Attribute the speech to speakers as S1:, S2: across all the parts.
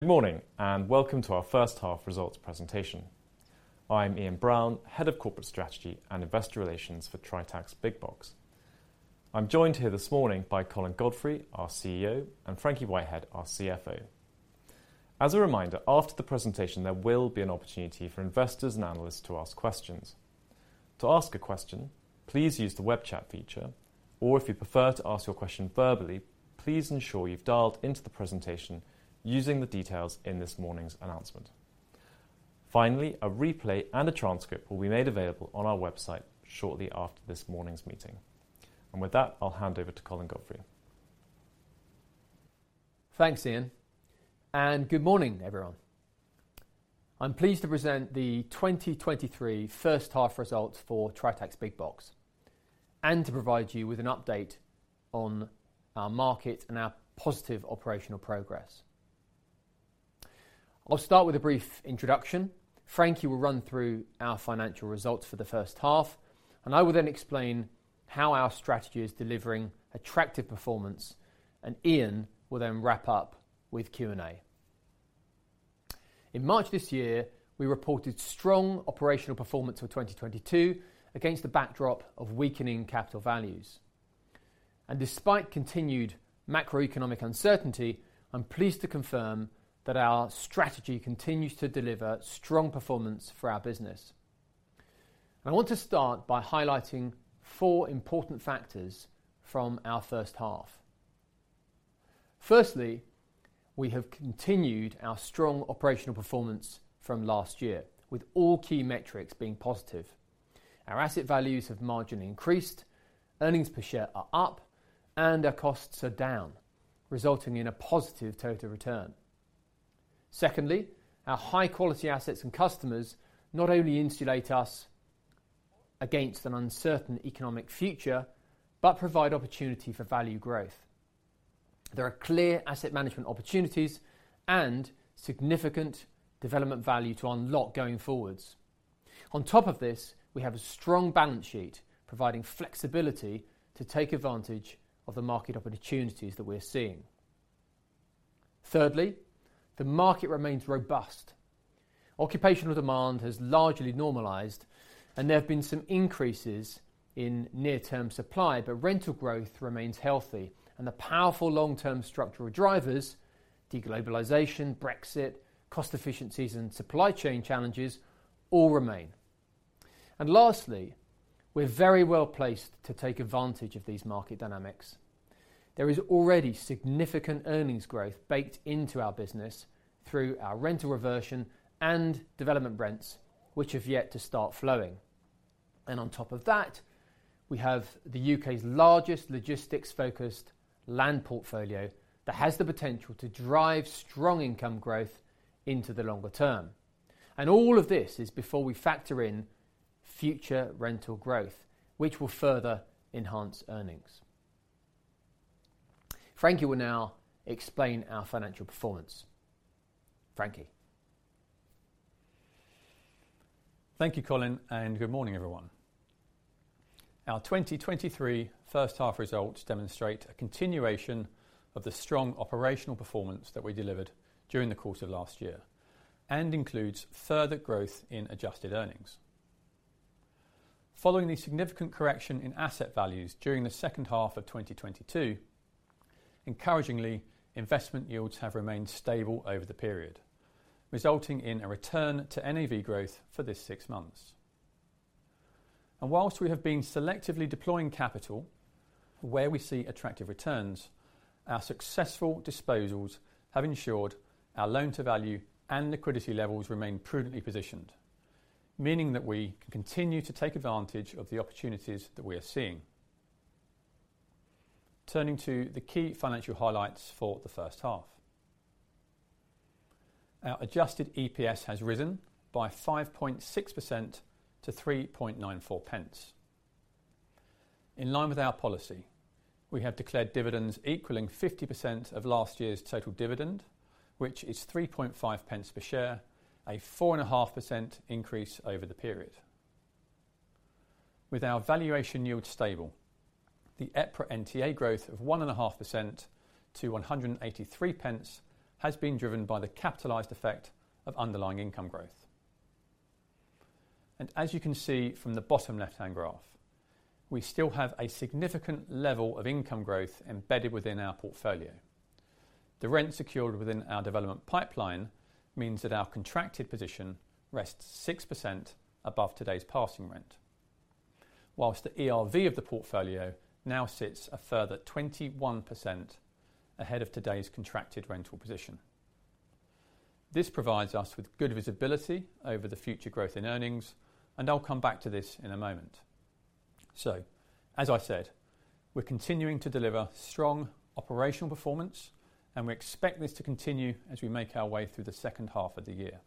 S1: Good morning, and welcome to our first half results presentation. I'm Ian Brown, Head of Corporate Strategy and Investor Relations for Tritax Big Box. I'm joined here this morning by Colin Godfrey, our CEO, and Frankie Whitehead, our CFO. As a reminder, after the presentation, there will be an opportunity for investors and analysts to ask questions. To ask a question, please use the web chat feature, or if you prefer to ask your question verbally, please ensure you've dialed into the presentation using the details in this morning's announcement. Finally, a replay and a transcript will be made available on our website shortly after this morning's meeting. With that, I'll hand over to Colin Godfrey.
S2: Thanks, Ian. Good morning, everyone. I'm pleased to present the 2023 first half results for Tritax Big Box, to provide you with an update on our market and our positive operational progress. I'll start with a brief introduction. Frankie will run through our financial results for the first half, I will then explain how our strategy is delivering attractive performance, Ian will then wrap up with Q&A. In March this year, we reported strong operational performance for 2022, against the backdrop of weakening capital values. Despite continued macroeconomic uncertainty, I'm pleased to confirm that our strategy continues to deliver strong performance for our business. I want to start by highlighting four important factors from our first half. Firstly, we have continued our strong operational performance from last year, with all key metrics being positive. Our asset values have marginally increased, earnings per share are up, and our costs are down, resulting in a positive total return. Secondly, our high-quality assets and customers not only insulate us against an uncertain economic future, but provide opportunity for value growth. There are clear asset management opportunities and significant development value to unlock going forwards. On top of this, we have a strong balance sheet, providing flexibility to take advantage of the market opportunities that we're seeing. Thirdly, the market remains robust. Occupational demand has largely normalized, and there have been some increases in near-term supply, but rental growth remains healthy, and the powerful long-term structural drivers, de-globalization, Brexit, cost efficiencies, and supply chain challenges, all remain. Lastly, we're very well-placed to take advantage of these market dynamics. There is already significant earnings growth baked into our business through our rental reversion and development rents, which have yet to start flowing. On top of that, we have the U.K.'s largest logistics-focused land portfolio that has the potential to drive strong income growth into the longer term. All of this is before we factor in future rental growth, which will further enhance earnings. Frankie will now explain our financial performance. Frankie?
S3: Thank you, Colin. Good morning, everyone. Our 2023 first half results demonstrate a continuation of the strong operational performance that we delivered during the course of last year, includes further growth in adjusted earnings. Following the significant correction in asset values during the second half of 2022, encouragingly, investment yields have remained stable over the period, resulting in a return to NAV growth for this six months. Whilst we have been selectively deploying capital where we see attractive returns, our successful disposals have ensured our loan-to-value and liquidity levels remain prudently positioned, meaning that we can continue to take advantage of the opportunities that we are seeing. Turning to the key financial highlights for the first half. Our adjusted EPS has risen by GBP 5.6% to 3.94. In line with our policy, we have declared dividends equaling 50% of last year's total dividend, which is 0.035 per share, a 4.5% increase over the period. With our valuation yield stable, the EPRA NTA growth of 1.5% to 1.83 has been driven by the capitalized effect of underlying income growth. As you can see from the bottom left-hand graph, we still have a significant level of income growth embedded within our portfolio. The rent secured within our development pipeline means that our contracted position rests 6% above today's passing rent. Whilst the ERV of the portfolio now sits a further 21% ahead of today's contracted rental position. This provides us with good visibility over the future growth in earnings, and I'll come back to this in a moment. As I said, we're continuing to deliver strong operational performance, and we expect this to continue as we make our way through the second half of the year.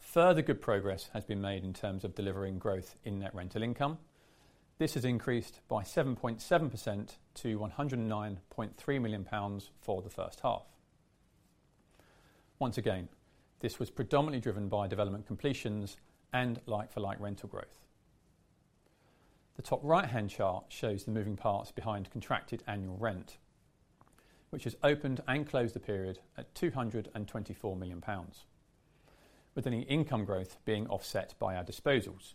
S3: Further good progress has been made in terms of delivering growth in net rental income. This has increased by 7.7% to 109.3 million pounds for the first half. Once again, this was predominantly driven by development completions and like-for-like rental growth. The top right-hand chart shows the moving parts behind contracted annual rent, which has opened and closed the period at 224 million pounds, with any income growth being offset by our disposals.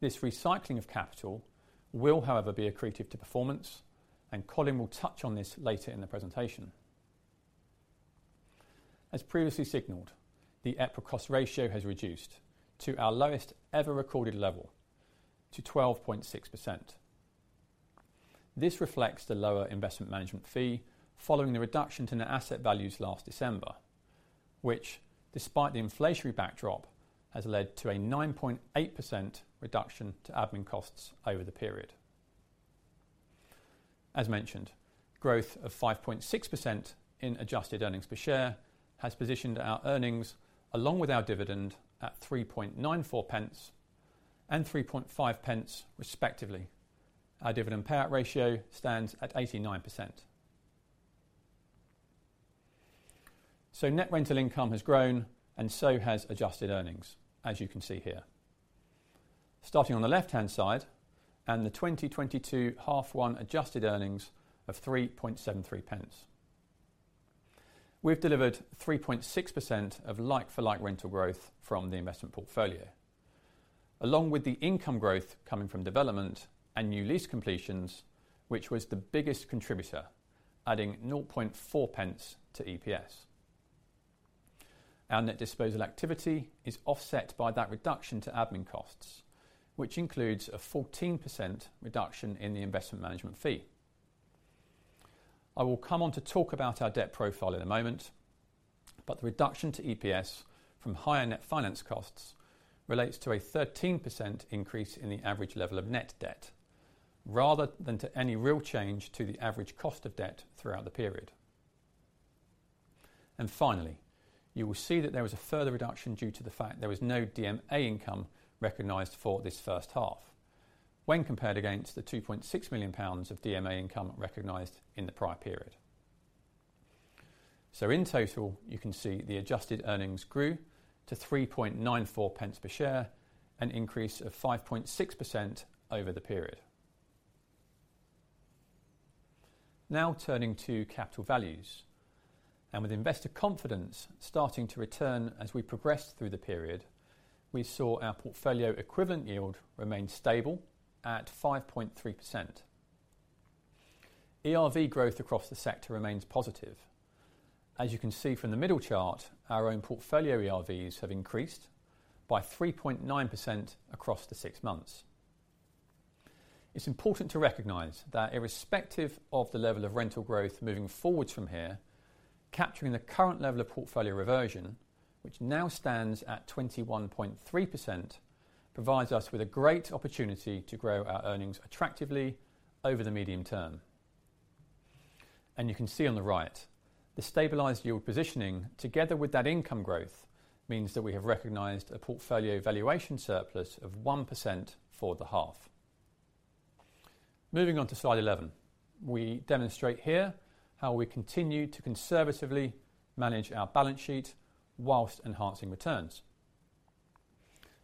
S3: This recycling of capital will, however, be accretive to performance, and Colin will touch on this later in the presentation. As previously signaled, the EPRA cost ratio has reduced to our lowest ever recorded level, to 12.6%. This reflects the lower investment management fee following the reduction to net asset values last December, which, despite the inflationary backdrop, has led to a 9.8% reduction to admin costs over the period. As mentioned, growth of 5.6% in adjusted earnings per share has positioned our earnings, along with our dividend, at 0.0394 and 0.035, respectively. Our dividend payout ratio stands at 89%. Net rental income has grown, and so has adjusted earnings, as you can see here. Starting on the left-hand side and the 2022 half one adjusted earnings of 0.0373. We've delivered 3.6% of like-for-like rental growth from the investment portfolio, along with the income growth coming from development and new lease completions, which was the biggest contributor, adding 0.004 to EPS. Our net disposal activity is offset by that reduction to admin costs, which includes a 14% reduction in the investment management fee. I will come on to talk about our debt profile in a moment, the reduction to EPS from higher net finance costs relates to a 13% increase in the average level of net debt, rather than to any real change to the average cost of debt throughout the period. Finally, you will see that there was a further reduction due to the fact there was no DMA income recognized for this first half, when compared against the 2.6 million pounds of DMA income recognized in the prior period. In total, you can see the adjusted earnings grew to 3.94 per share, an increase of 5.6% over the period. Turning to capital values, and with investor confidence starting to return as we progressed through the period, we saw our portfolio equivalent yield remain stable at 5.3%. ERV growth across the sector remains positive. As you can see from the middle chart, our own portfolio ERVs have increased by 3.9% across the six months. It's important to recognize that irrespective of the level of rental growth moving forwards from here, capturing the current level of portfolio reversion, which now stands at 21.3%, provides us with a great opportunity to grow our earnings attractively over the medium term. You can see on the right, the stabilized yield positioning, together with that income growth, means that we have recognized a portfolio valuation surplus of 1% for the half. Moving on to slide 11. We demonstrate here how we continue to conservatively manage our balance sheet whilst enhancing returns.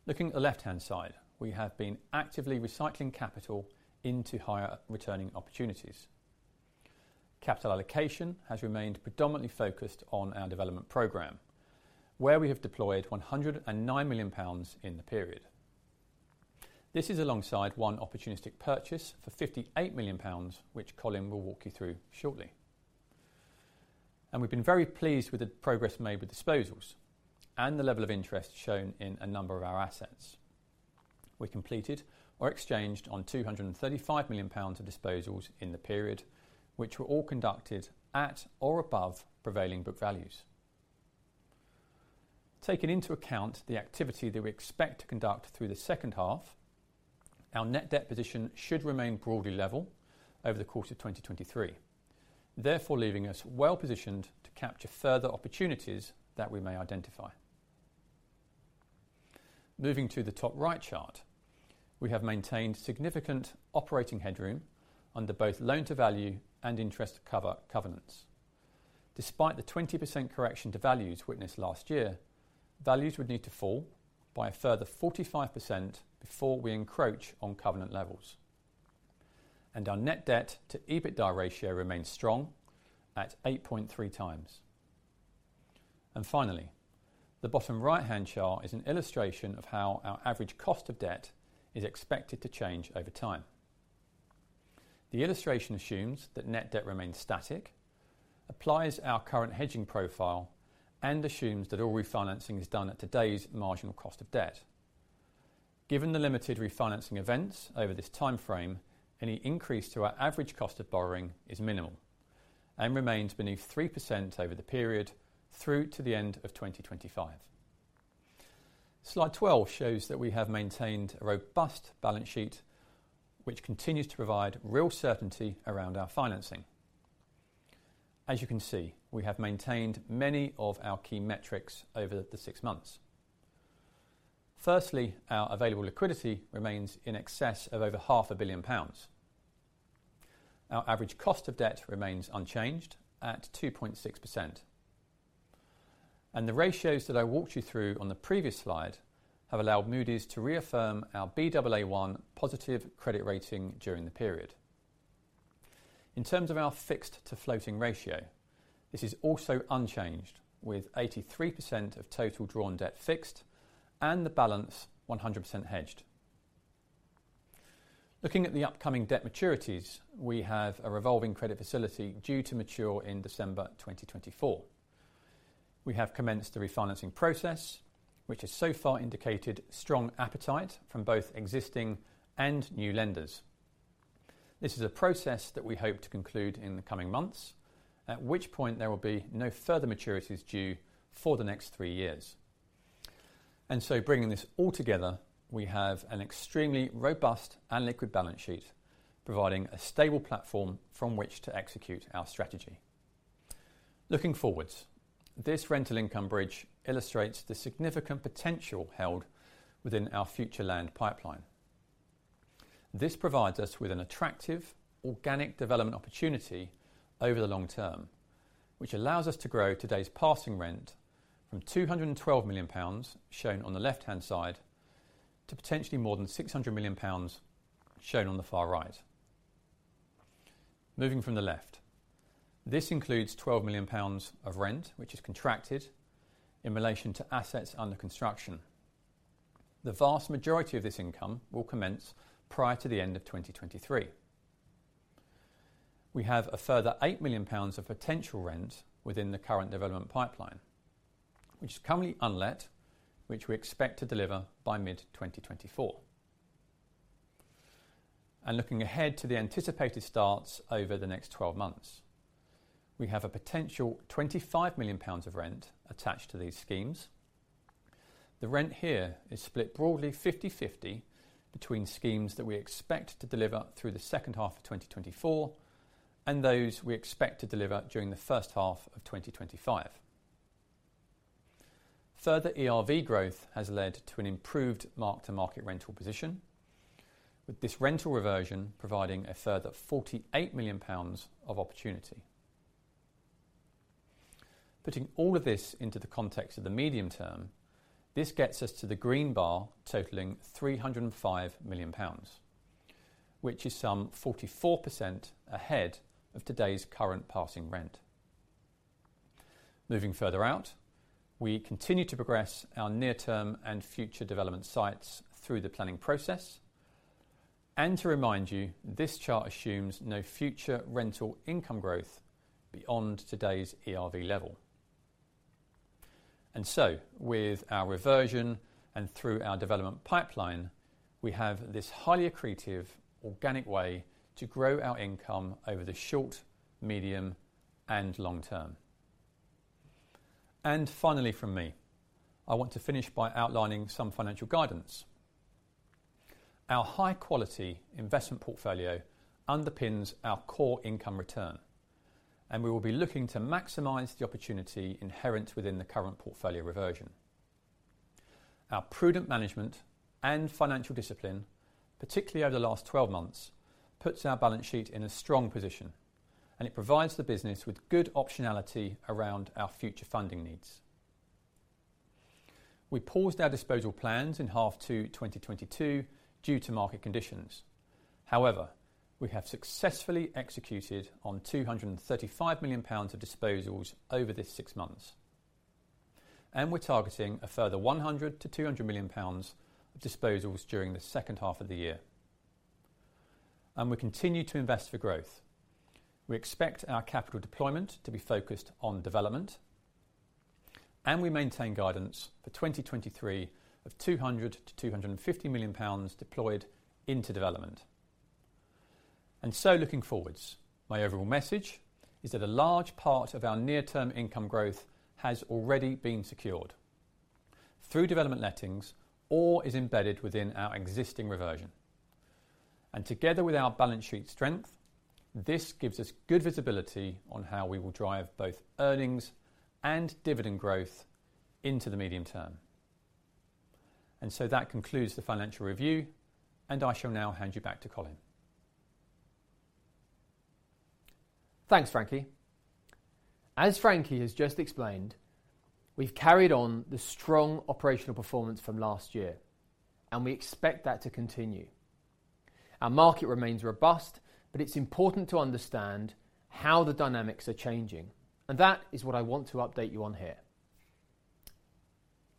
S3: Looking at the left-hand side, we have been actively recycling capital into higher returning opportunities. Capital allocation has remained predominantly focused on our development program, where we have deployed 109 million pounds in the period. This is alongside one opportunistic purchase for 58 million pounds, which Colin will walk you through shortly. We've been very pleased with the progress made with disposals and the level of interest shown in a number of our assets. We completed or exchanged on 235 million pounds of disposals in the period, which were all conducted at or above prevailing book values. Taking into account the activity that we expect to conduct through the second half, our net debt position should remain broadly level over the course of 2023, therefore leaving us well-positioned to capture further opportunities that we may identify. Moving to the top right chart, we have maintained significant operating headroom under both loan-to-value and interest-to-cover covenants. Despite the 20% correction to values witnessed last year, values would need to fall by a further 45% before we encroach on covenant levels. Our net debt to EBITDA ratio remains strong at 8.3x. Finally, the bottom right-hand chart is an illustration of how our average cost of debt is expected to change over time. The illustration assumes that net debt remains static, applies our current hedging profile, and assumes that all refinancing is done at today's marginal cost of debt. Given the limited refinancing events over this timeframe, any increase to our average cost of borrowing is minimal and remains beneath 3% over the period through to the end of 2025. Slide 12 shows that we have maintained a robust balance sheet, which continues to provide real certainty around our financing. As you can see, we have maintained many of our key metrics over the six months. Firstly, our available liquidity remains in excess of over 500 million pounds. Our average cost of debt remains unchanged at 2.6%. The ratios that I walked you through on the previous slide have allowed Moody's to reaffirm our Baa1 positive credit rating during the period. In terms of our fixed to floating ratio, this is also unchanged, with 83% of total drawn debt fixed and the balance 100% hedged. Looking at the upcoming debt maturities, we have a revolving credit facility due to mature in December 2024. We have commenced the refinancing process, which has so far indicated strong appetite from both existing and new lenders. This is a process that we hope to conclude in the coming months, at which point there will be no further maturities due for the next three years. Bringing this all together, we have an extremely robust and liquid balance sheet, providing a stable platform from which to execute our strategy. Looking forwards, this rental income bridge illustrates the significant potential held within our future land pipeline. This provides us with an attractive organic development opportunity over the long term, which allows us to grow today's passing rent from 212 million pounds, shown on the left-hand side, to potentially more than 600 million pounds, shown on the far right. Moving from the left, this includes 12 million pounds of rent, which is contracted in relation to assets under construction. The vast majority of this income will commence prior to the end of 2023. We have a further 8 million pounds of potential rent within the current development pipeline, which is currently unlet, which we expect to deliver by mid-2024. Looking ahead to the anticipated starts over the next 12 months, we have a potential 25 million pounds of rent attached to these schemes. The rent here is split broadly 50/50 between schemes that we expect to deliver through the second half of 2024, and those we expect to deliver during the first half of 2025. Further ERV growth has led to an improved mark-to-market rental position, with this rental reversion providing a further 48 million pounds of opportunity. Putting all of this into the context of the medium term, this gets us to the green bar, totaling 305 million pounds, which is some 44% ahead of today's current passing rent. Moving further out, we continue to progress our near-term and future development sites through the planning process. To remind you, this chart assumes no future rental income growth beyond today's ERV level. With our reversion and through our development pipeline, we have this highly accretive, organic way to grow our income over the short, medium, and long term. Finally from me, I want to finish by outlining some financial guidance. Our high-quality investment portfolio underpins our core income return, and we will be looking to maximize the opportunity inherent within the current portfolio reversion. Our prudent management and financial discipline, particularly over the last 12 months, puts our balance sheet in a strong position, and it provides the business with good optionality around our future funding needs. We paused our disposal plans in half to 2022 due to market conditions. However, we have successfully executed on 235 million pounds of disposals over this six months, and we're targeting a further 100 million-200 million pounds of disposals during the second half of the year. We continue to invest for growth. We expect our capital deployment to be focused on development, and we maintain guidance for 2023 of 200 million-250 million pounds deployed into development. Looking forwards, my overall message is that a large part of our near-term income growth has already been secured through development lettings or is embedded within our existing reversion. Together with our balance sheet strength, this gives us good visibility on how we will drive both earnings and dividend growth into the medium term. That concludes the financial review, and I shall now hand you back to Colin.
S2: Thanks, Frankie. As Frankie has just explained, we've carried on the strong operational performance from last year. We expect that to continue. Our market remains robust. It's important to understand how the dynamics are changing. That is what I want to update you on here.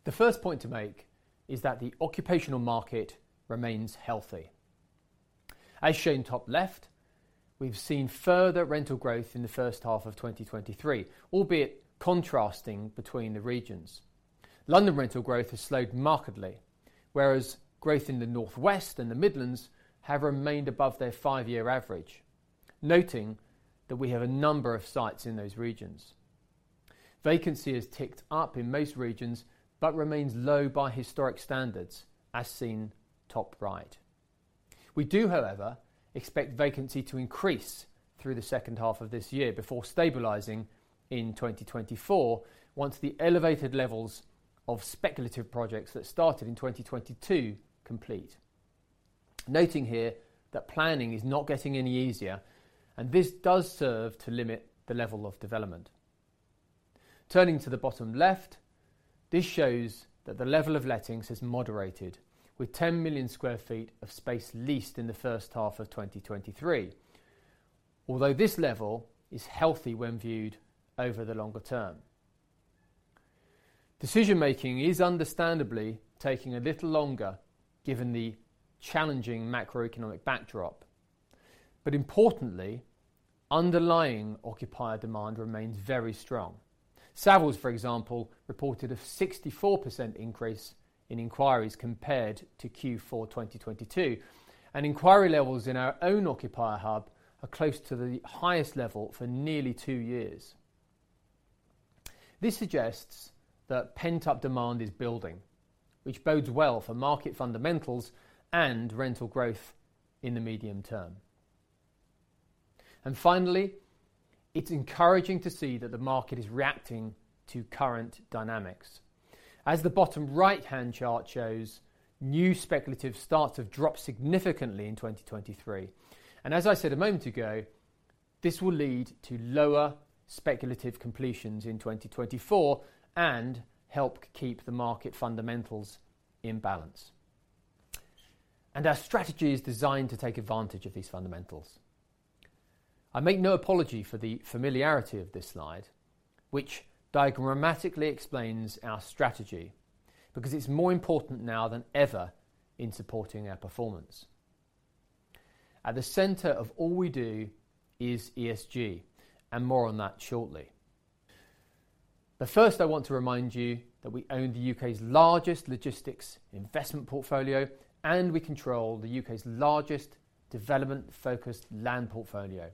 S2: The first point to make is that the occupational market remains healthy. As shown top left, we've seen further rental growth in the first half of 2023, albeit contrasting between the regions. London rental growth has slowed markedly, whereas growth in the Northwest and the Midlands have remained above their five-year average, noting that we have a number of sites in those regions. Vacancy has ticked up in most regions. It remains low by historic standards, as seen top right. We do, however, expect vacancy to increase through the second half of this year before stabilizing in 2024, once the elevated levels-... of speculative projects that started in 2022 complete, noting here that planning is not getting any easier. This does serve to limit the level of development. Turning to the bottom left, this shows that the level of lettings has moderated, with 10 million sq ft of space leased in the first half of 2023. Although this level is healthy when viewed over the longer term. Decision-making is understandably taking a little longer, given the challenging macroeconomic backdrop. Importantly, underlying occupier demand remains very strong. Savills, for example, reported a 64% increase in inquiries compared to Q4 2022. Inquiry levels in our own occupier hub are close to the highest level for nearly two years. This suggests that pent-up demand is building, which bodes well for market fundamentals and rental growth in the medium term. Finally, it's encouraging to see that the market is reacting to current dynamics. As the bottom right-hand chart shows, new speculative starts have dropped significantly in 2023, as I said a moment ago, this will lead to lower speculative completions in 2024 and help keep the market fundamentals in balance. Our strategy is designed to take advantage of these fundamentals. I make no apology for the familiarity of this slide, which diagrammatically explains our strategy, because it's more important now than ever in supporting our performance. At the center of all we do is ESG, more on that shortly. First, I want to remind you that we own the U.K.'s largest logistics investment portfolio, we control the U.K.'s largest development-focused land portfolio.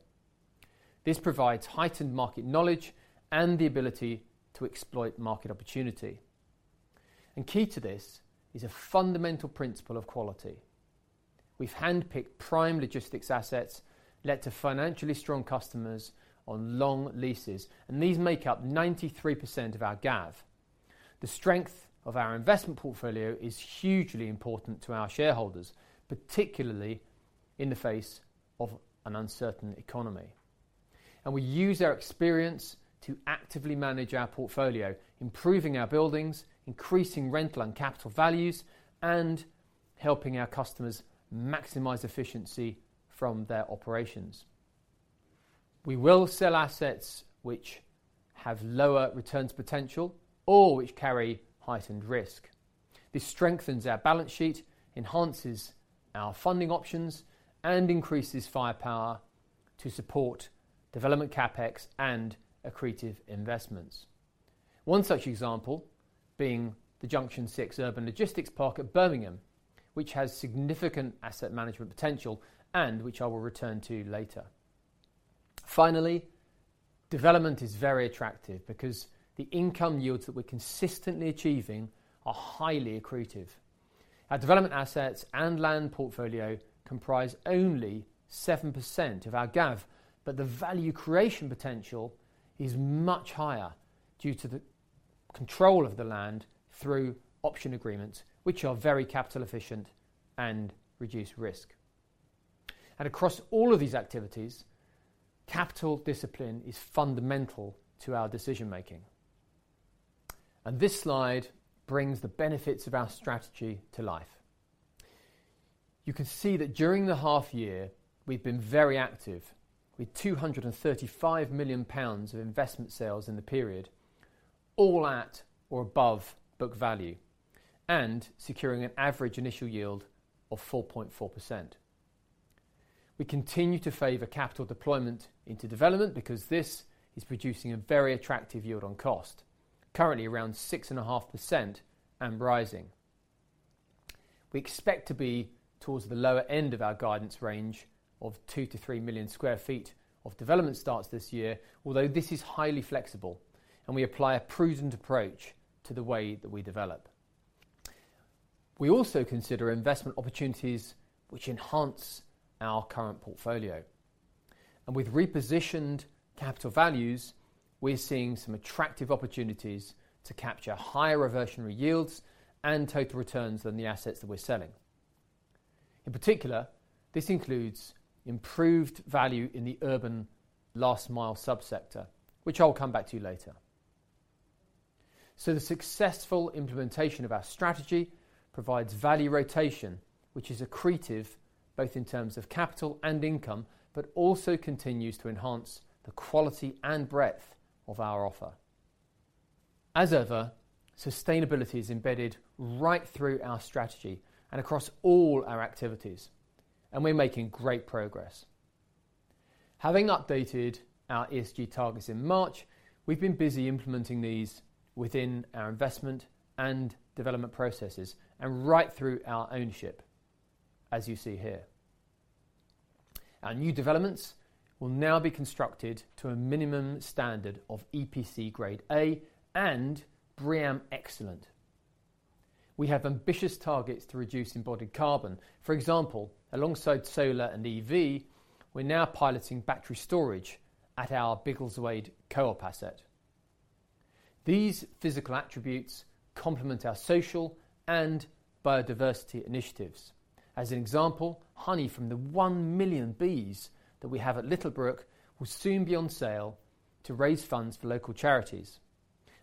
S2: This provides heightened market knowledge and the ability to exploit market opportunity. Key to this is a fundamental principle of quality. We've handpicked prime logistics assets, led to financially strong customers on long leases, and these make up 93% of our GAV. The strength of our investment portfolio is hugely important to our shareholders, particularly in the face of an uncertain economy. We use our experience to actively manage our portfolio, improving our buildings, increasing rental and capital values, and helping our customers maximize efficiency from their operations. We will sell assets which have lower returns potential or which carry heightened risk. This strengthens our balance sheet, enhances our funding options, and increases firepower to support development CapEx and accretive investments. One such example being the Junction Six Urban Logistics Park at Birmingham, which has significant asset management potential and which I will return to later. Finally, development is very attractive because the income yields that we're consistently achieving are highly accretive. Our development assets and land portfolio comprise only 7% of our GAV, but the value creation potential is much higher due to the control of the land through option agreements, which are very capital efficient and reduce risk. Across all of these activities, capital discipline is fundamental to our decision-making. This slide brings the benefits of our strategy to life. You can see that during the half year, we've been very active, with 235 million pounds of investment sales in the period, all at or above book value, and securing an average initial yield of 4.4%. We continue to favor capital deployment into development because this is producing a very attractive yield on cost, currently around 6.5% and rising. We expect to be towards the lower end of our guidance range of 2 million-3 million sq ft of development starts this year, although this is highly flexible, and we apply a prudent approach to the way that we develop. We also consider investment opportunities which enhance our current portfolio, and with repositioned capital values, we're seeing some attractive opportunities to capture higher reversionary yields and total returns on the assets that we're selling. In particular, this includes improved value in the urban last mile sub-sector, which I'll come back to later. The successful implementation of our strategy provides value rotation, which is accretive, both in terms of capital and income, but also continues to enhance the quality and breadth of our offer. As ever, sustainability is embedded right through our strategy and across all our activities, and we're making great progress. Having updated our ESG targets in March, we've been busy implementing these within our investment and development processes and right through our ownership, as you see here. Our new developments will now be constructed to a minimum standard of EPC Grade A and BREEAM Excellent. We have ambitious targets to reduce embodied carbon. For example, alongside solar and EV, we're now piloting battery storage at our Biggleswade Co-op asset. These physical attributes complement our social and biodiversity initiatives. As an example, honey from the 1 million bees that we have at Littlebrook will soon be on sale to raise funds for local charities,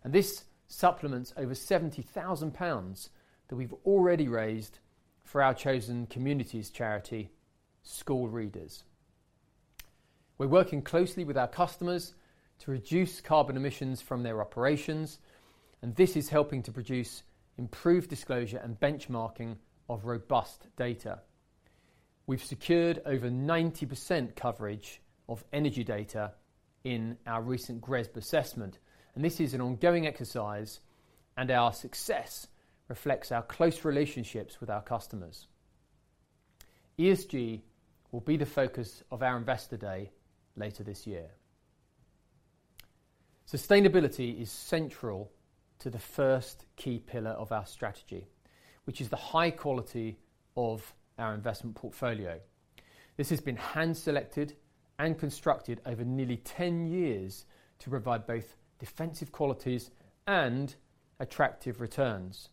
S2: and this supplements over 70,000 pounds that we've already raised for our chosen communities charity, Schoolreaders. We're working closely with our customers to reduce carbon emissions from their operations, and this is helping to produce improved disclosure and benchmarking of robust data. We've secured over 90% coverage of energy data in our recent GRESB assessment, and this is an ongoing exercise, and our success reflects our close relationships with our customers. ESG will be the focus of our investor day later this year. Sustainability is central to the first key pillar of our strategy, which is the high quality of our investment portfolio. This has been hand-selected and constructed over nearly 10 years to provide both defensive qualities and attractive returns.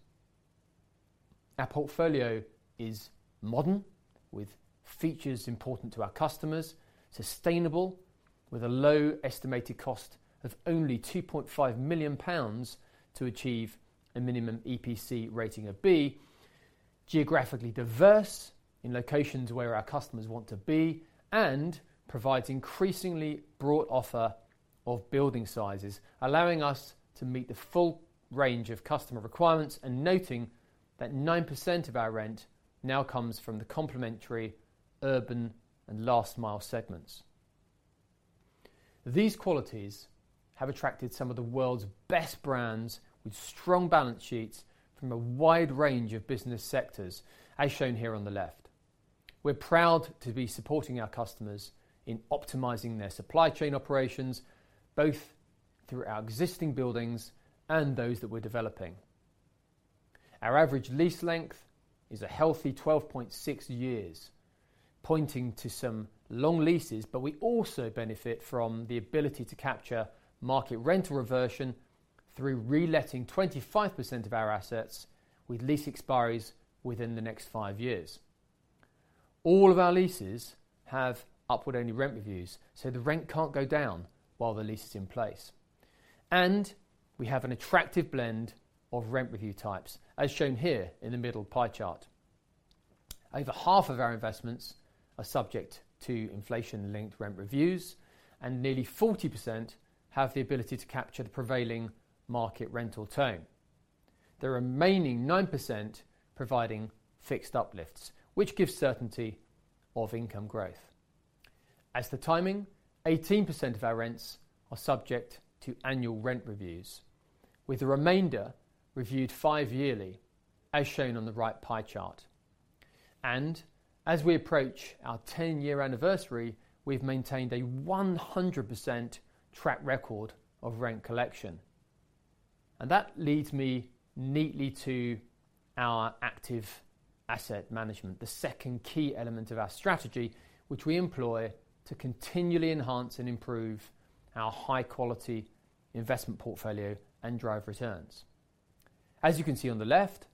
S2: Our portfolio is modern, with features important to our customers, sustainable, with a low estimated cost of only 2.5 million pounds to achieve a minimum EPC rating of B, geographically diverse, in locations where our customers want to be, and provides increasingly broad offer of building sizes, allowing us to meet the full range of customer requirements, and noting that 9% of our rent now comes from the complementary urban and last-mile segments. These qualities have attracted some of the world's best brands with strong balance sheets from a wide range of business sectors, as shown here on the left. We're proud to be supporting our customers in optimizing their supply chain operations, both through our existing buildings and those that we're developing. Our average lease length is a healthy 12.6 years, pointing to some long leases. We also benefit from the ability to capture market rental reversion through reletting 25% of our assets with lease expiries within the next five years. All of our leases have upward-only rent reviews. The rent can't go down while the lease is in place. We have an attractive blend of rent review types, as shown here in the middle pie chart. Over half of our investments are subject to inflation-linked rent reviews. Nearly 40% have the ability to capture the prevailing market rental tone. The remaining 9% providing fixed uplifts, which gives certainty of income growth. As to timing, 18% of our rents are subject to annual rent reviews, with the remainder reviewed five yearly, as shown on the right pie chart. As we approach our 10-year anniversary, we've maintained a 100% track record of rent collection. That leads me neatly to our active asset management, the second key element of our strategy, which we employ to continually enhance and improve our high-quality investment portfolio and drive returns. As you can see on the left,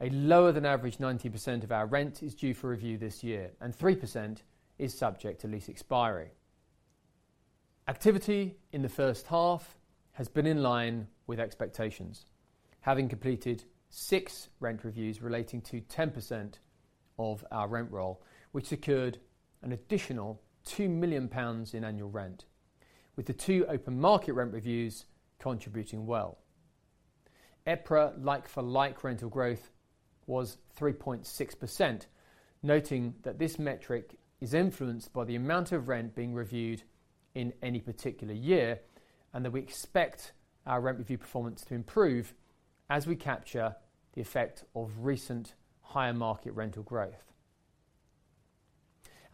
S2: a lower-than-average 90% of our rent is due for review this year, and 3% is subject to lease expiry. Activity in the first half has been in line with expectations, having completed six rent reviews relating to 10% of our rent roll, which secured an additional 2 million pounds in annual rent, with the 2 open market rent reviews contributing well. EPRA, like-for-like rental growth was 3.6%, noting that this metric is influenced by the amount of rent being reviewed in any particular year, that we expect our rent review performance to improve as we capture the effect of recent higher market rental growth.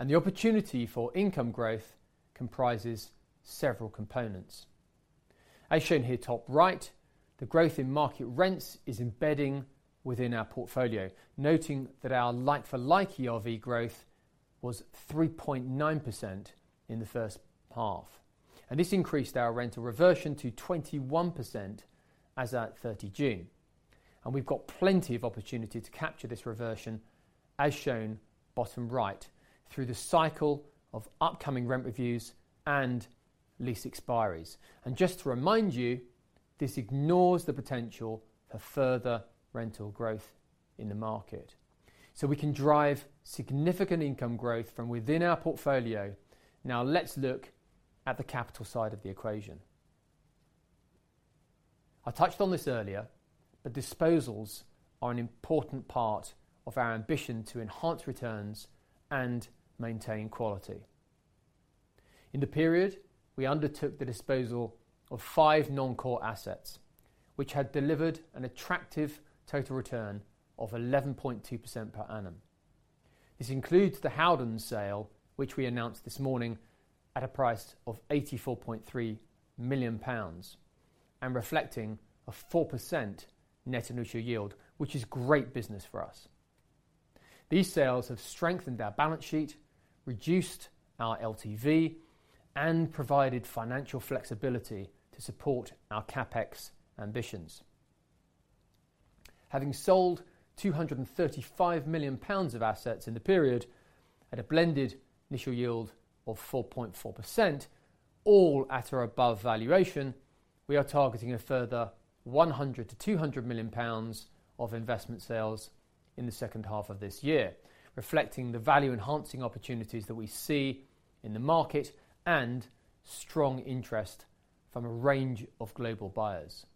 S2: The opportunity for income growth comprises several components. As shown here, top right, the growth in market rents is embedding within our portfolio, noting that our like-for-like ERV growth was 3.9% in the first half, this increased our rental reversion to 21% as at June 30. We've got plenty of opportunity to capture this reversion, as shown bottom right, through the cycle of upcoming rent reviews and lease expiries. Just to remind you, this ignores the potential for further rental growth in the market. We can drive significant income growth from within our portfolio. Let's look at the capital side of the equation. I touched on this earlier, disposals are an important part of our ambition to enhance returns and maintain quality. In the period, we undertook the disposal of five non-core assets, which had delivered an attractive total return of 11.2% per annum. This includes the Howdens sale, which we announced this morning, at a price of 84.3 million pounds, and reflecting a 4% net initial yield, which is great business for us. These sales have strengthened our balance sheet, reduced our LTV, and provided financial flexibility to support our CapEx ambitions. Having sold 235 million pounds of assets in the period, at a blended initial yield of 4.4%, all at or above valuation, we are targeting a further 100 million-200 million pounds of investment sales in the second half of this year, reflecting the value-enhancing opportunities that we see in the market and strong interest from a range of global buyers.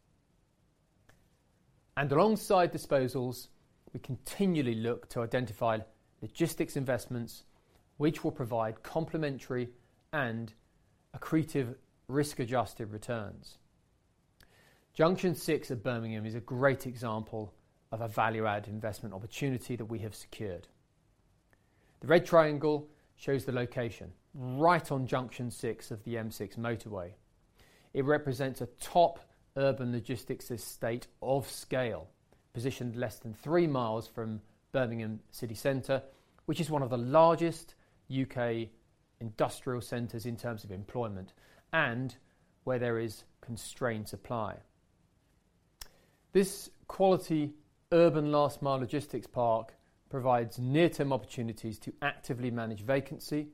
S2: Alongside disposals, we continually look to identify logistics investments which will provide complementary and accretive risk-adjusted returns. Junction Six of Birmingham is a great example of a value-add investment opportunity that we have secured. The red triangle shows the location, right on Junction Six of the M6 motorway. It represents a top urban logistics estate of scale, positioned less than three miles from Birmingham city center, which is one of the largest U.K. industrial centers in terms of employment and where there is constrained supply. This quality urban last-mile logistics park provides near-term opportunities to actively manage vacancy,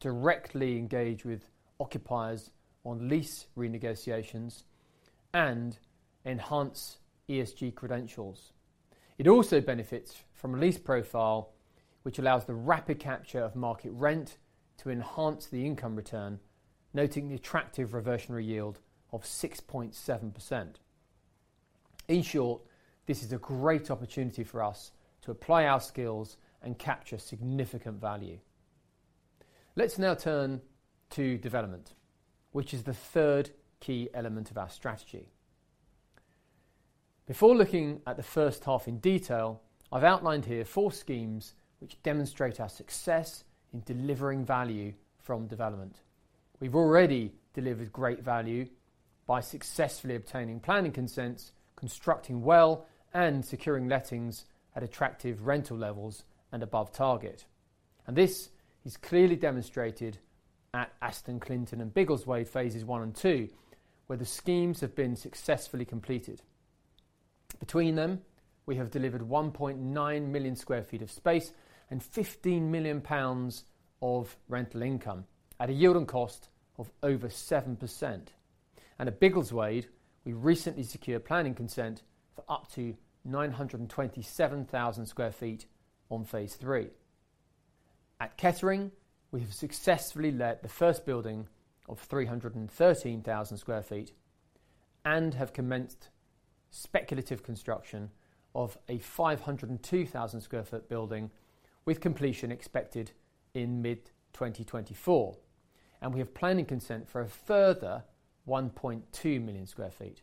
S2: directly engage with occupiers on lease renegotiations, and enhance ESG credentials. It also benefits from a lease profile which allows the rapid capture of market rent to enhance the income return, noting the attractive reversionary yield of 6.7%. In short, this is a great opportunity for us to apply our skills and capture significant value. Let's now turn to development, which is the third key element of our strategy. Before looking at the first half in detail, I've outlined here four schemes which demonstrate our success in delivering value from development. We've already delivered great value by successfully obtaining planning consents, constructing well, and securing lettings at attractive rental levels and above target. This is clearly demonstrated at Aston, Clinton, and Biggleswade, Phases one and two, where the schemes have been successfully completed. Between them, we have delivered 1.9 million sq ft of space and 15 million pounds of rental income at a yield on cost of over 7%. At Biggleswade, we recently secured planning consent for up to 927,000 sq ft on Phase Three. At Kettering, we have successfully let the first building of 313,000 sq ft and have commenced speculative construction of a 502,000 sq ft building, with completion expected in mid-2024. We have planning consent for a further 1.2 million sq ft.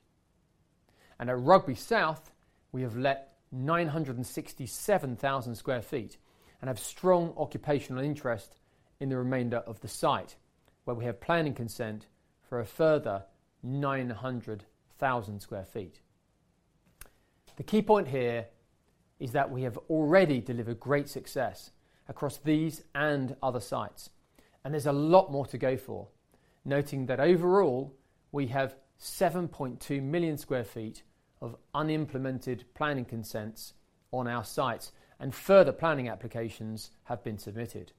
S2: At Rugby South, we have let 967,000 sq ft and have strong occupational interest in the remainder of the site, where we have planning consent for a further 900,000 sq ft. The key point here is that we have already delivered great success across these and other sites, and there's a lot more to go for. Noting that overall, we have 7.2 million sq ft of unimplemented planning consents on our sites, and further planning applications have been submitted.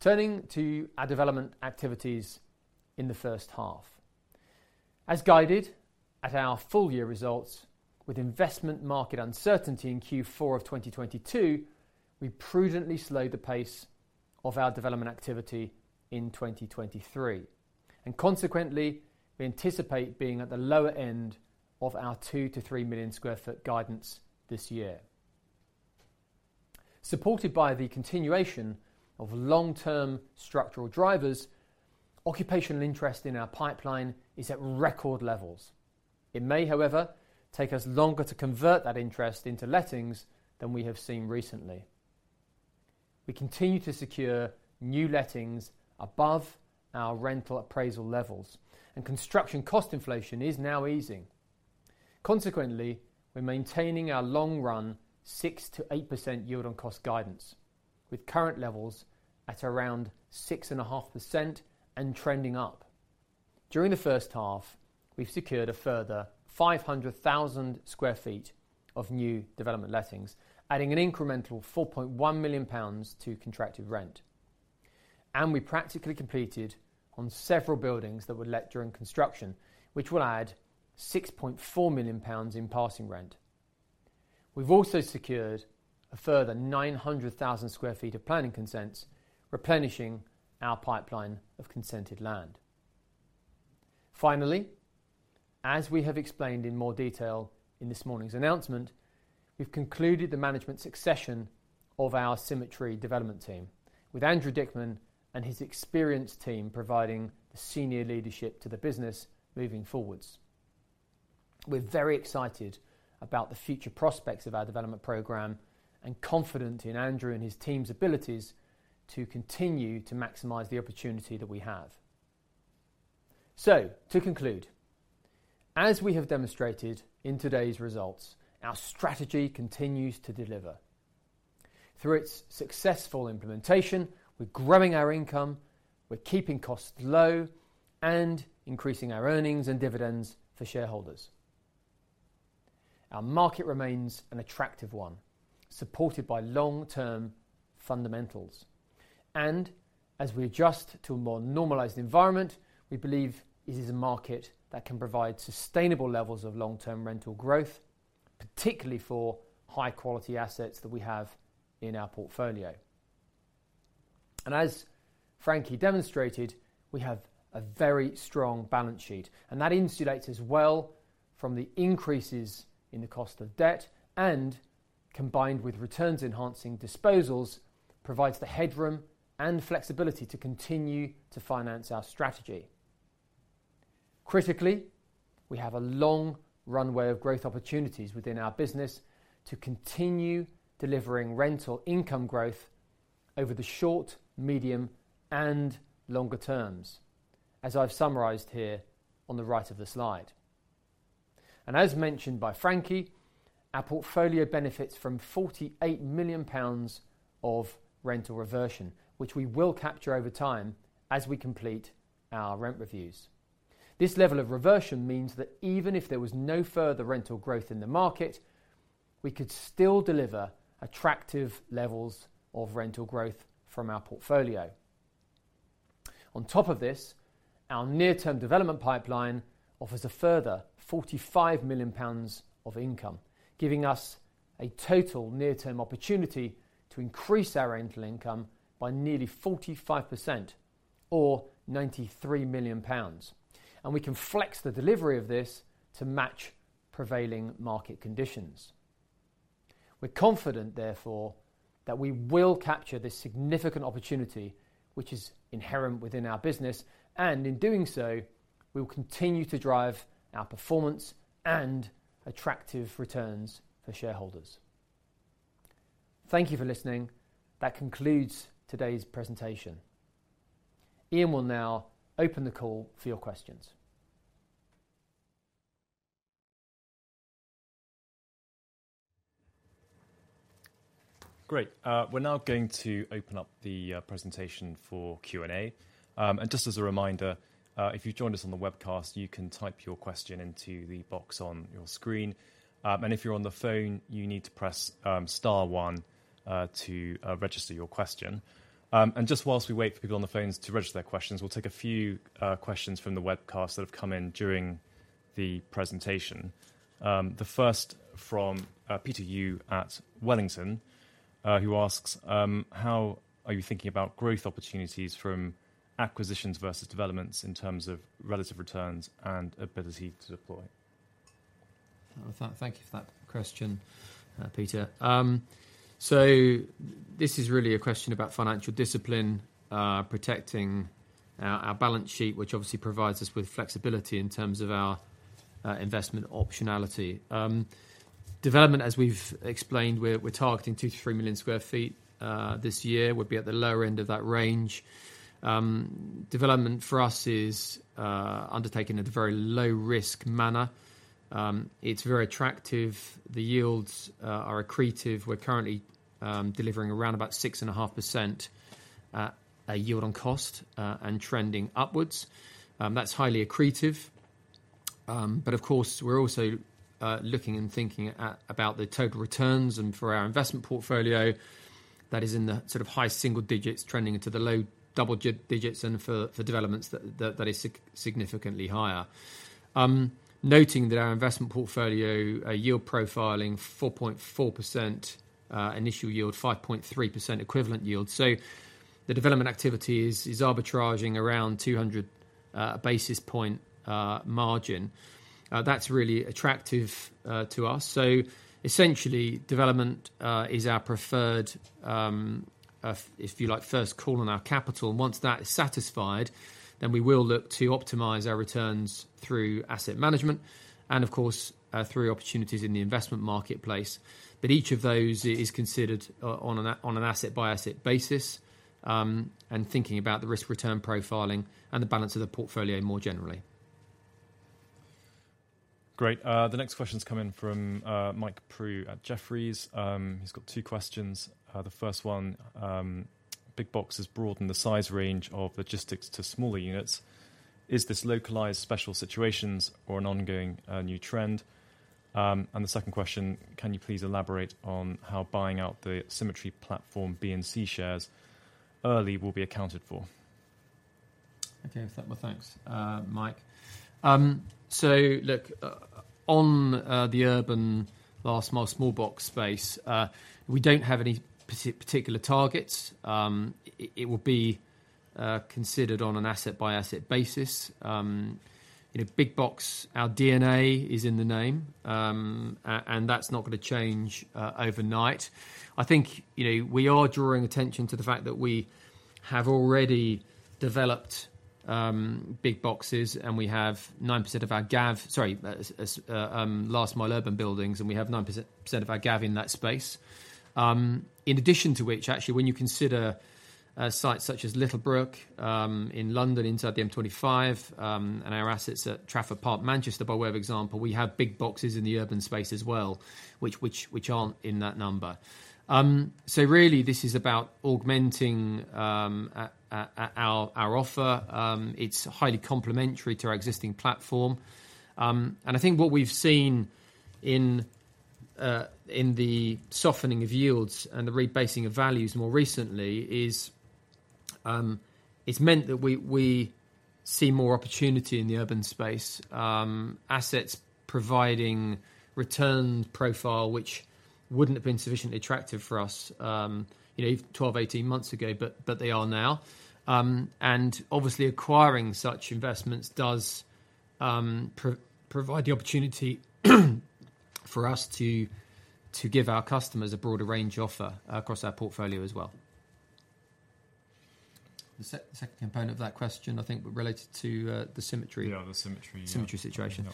S2: Turning to our development activities in the first half. As guided at our full year results, with investment market uncertainty in Q4 of 2022, we prudently slowed the pace of our development activity in 2023, and consequently, we anticipate being at the lower end of our 2 million-3 million sq ft guidance this year. Supported by the continuation of long-term structural drivers, occupational interest in our pipeline is at record levels. It may, however, take us longer to convert that interest into lettings than we have seen recently. We continue to secure new lettings above our rental appraisal levels. Construction cost inflation is now easing. Consequently, we're maintaining our long run 6%-8% yield on cost guidance, with current levels at around 6.5% and trending up. During the first half, we've secured a further 500,000 sq ft of new development lettings, adding an incremental 4.1 million pounds to contracted rent. We practically completed on several buildings that were let during construction, which will add 6.4 million pounds in passing rent. We've also secured a further 900,000 sq ft of planning consents, replenishing our pipeline of consented land. Finally, as we have explained in more detail in this morning's announcement, we've concluded the management succession of our Symmetry development team, with Andrew Dickman and his experienced team providing the senior leadership to the business moving forwards. We're very excited about the future prospects of our development program, and confident in Andrew and his team's abilities to continue to maximize the opportunity that we have. To conclude, as we have demonstrated in today's results, our strategy continues to deliver. Through its successful implementation, we're growing our income, we're keeping costs low, and increasing our earnings and dividends for shareholders. Our market remains an attractive one, supported by long-term fundamentals. As we adjust to a more normalized environment, we believe it is a market that can provide sustainable levels of long-term rental growth, particularly for high-quality assets that we have in our portfolio. As Frankie demonstrated, we have a very strong balance sheet, and that insulates us well from the increases in the cost of debt, and combined with returns enhancing disposals, provides the headroom and flexibility to continue to finance our strategy. Critically, we have a long runway of growth opportunities within our business to continue delivering rental income growth over the short, medium, and longer terms, as I've summarized here on the right of the slide. As mentioned by Frankie, our portfolio benefits from 48 million pounds of rental reversion, which we will capture over time as we complete our rent reviews. This level of reversion means that even if there was no further rental growth in the market, we could still deliver attractive levels of rental growth from our portfolio. On top of this, our near-term development pipeline offers a further 45 million pounds of income, giving us a total near-term opportunity to increase our rental income by nearly 45%, or 93 million pounds, and we can flex the delivery of this to match prevailing market conditions. We're confident, therefore, that we will capture this significant opportunity, which is inherent within our business, and in doing so, we will continue to drive our performance and attractive returns for shareholders. Thank you for listening. That concludes today's presentation. Ian will now open the call for your questions.
S1: Great. We're now going to open up the presentation for Q&A. Just as a reminder, if you've joined us on the webcast, you can type your question into the box on your screen. If you're on the phone, you need to press star one to register your question. Just whilst we wait for people on the phones to register their questions, we'll take a few questions from the webcast that have come in during the presentation. The first from Pieter Yu at Wellington, who asks: "How are you thinking about growth opportunities from acquisitions versus developments in terms of relative returns and ability to deploy?
S2: Thank, thank you for that question, Pieter. This is really a question about financial discipline, protecting our, our balance sheet, which obviously provides us with flexibility in terms of our investment optionality. Development, as we've explained, we're, we're targeting 2 million-3 million sq ft. This year, we'll be at the lower end of that range. Development for us is undertaken at a very low risk manner. It's very attractive. The yields are accretive. We're currently delivering around about 6.5% yield on cost and trending upwards. That's highly accretive. Of course, we're also looking and thinking at, about the total returns. For our investment portfolio, that is in the sort of high single digits, trending into the low double digits, and for developments, that is significantly higher. Noting that our investment portfolio yield profiling 4.4% initial yield, 5.3% equivalent yield. The development activity is arbitraging around 200 basis points margin. That's really attractive to us. Essentially, development is our preferred, if you like, first call on our capital. Once that is satisfied, then we will look to optimize our returns through asset management and, of course, through opportunities in the investment marketplace. Each of those is considered on an asset-by-asset basis, and thinking about the risk-return profiling and the balance of the portfolio more generally.
S1: Great. The next question is coming from Mike Prew at Jefferies. He's got two questions. The first one: "Big Box has broadened the size range of logistics to smaller units. Is this localized special situations or an ongoing new trend?" The second question: "Can you please elaborate on how buying out the Symmetry platform, B and C shares, early will be accounted for?
S2: Okay. Well, thanks, Mike. Look, on the urban last mile small box space, we don't have any particular targets. It, it will be considered on an asset-by-asset basis. You know, Big Box, our DNA is in the name, and that's not gonna change overnight. I think, you know, we are drawing attention to the fact that we have already developed big boxes, and we have 9% of our GAV, sorry, last mile urban buildings, and we have 9%, percent of our GAV in that space. In addition to which, actually, when you consider sites such as Littlebrook, in London, inside the M25, and our assets at Trafford Park, Manchester, by way of example, we have big boxes in the urban space as well, which, which, which aren't in that number. Really, this is about augmenting our, our offer. It's highly complementary to our existing platform. I think what we've seen in the softening of yields and the rebasing of values more recently is, it's meant that we, we see more opportunity in the urban space. Assets providing return profile, which wouldn't have been sufficiently attractive for us, you know, 12, 18 months ago, but, but they are now. Obviously, acquiring such investments does provide the opportunity for us to, to give our customers a broader range offer across our portfolio as well. The second component of that question, I think, related to the Symmetry.
S1: Yeah, the Symmetry, yeah.
S2: Symmetry situation.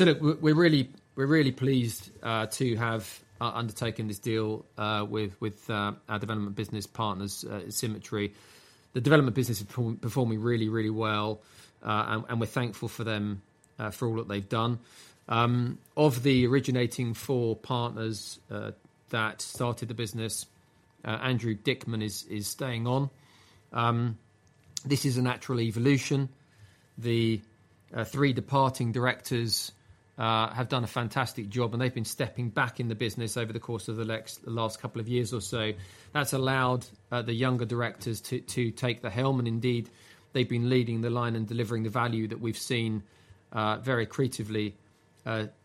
S1: Yeah.
S2: Look, we're, we're really, we're really pleased to have undertaken this deal with our development business partners, Symmetry. The development business is performing really, really well. And we're thankful for them for all that they've done. Of the originating four partners that started the business, Andrew Dickman is staying on. This is a natural evolution. The three departing directors have done a fantastic job, and they've been stepping back in the business over the course of the last couple of years or so. That's allowed the younger directors to take the helm, and indeed, they've been leading the line and delivering the value that we've seen very creatively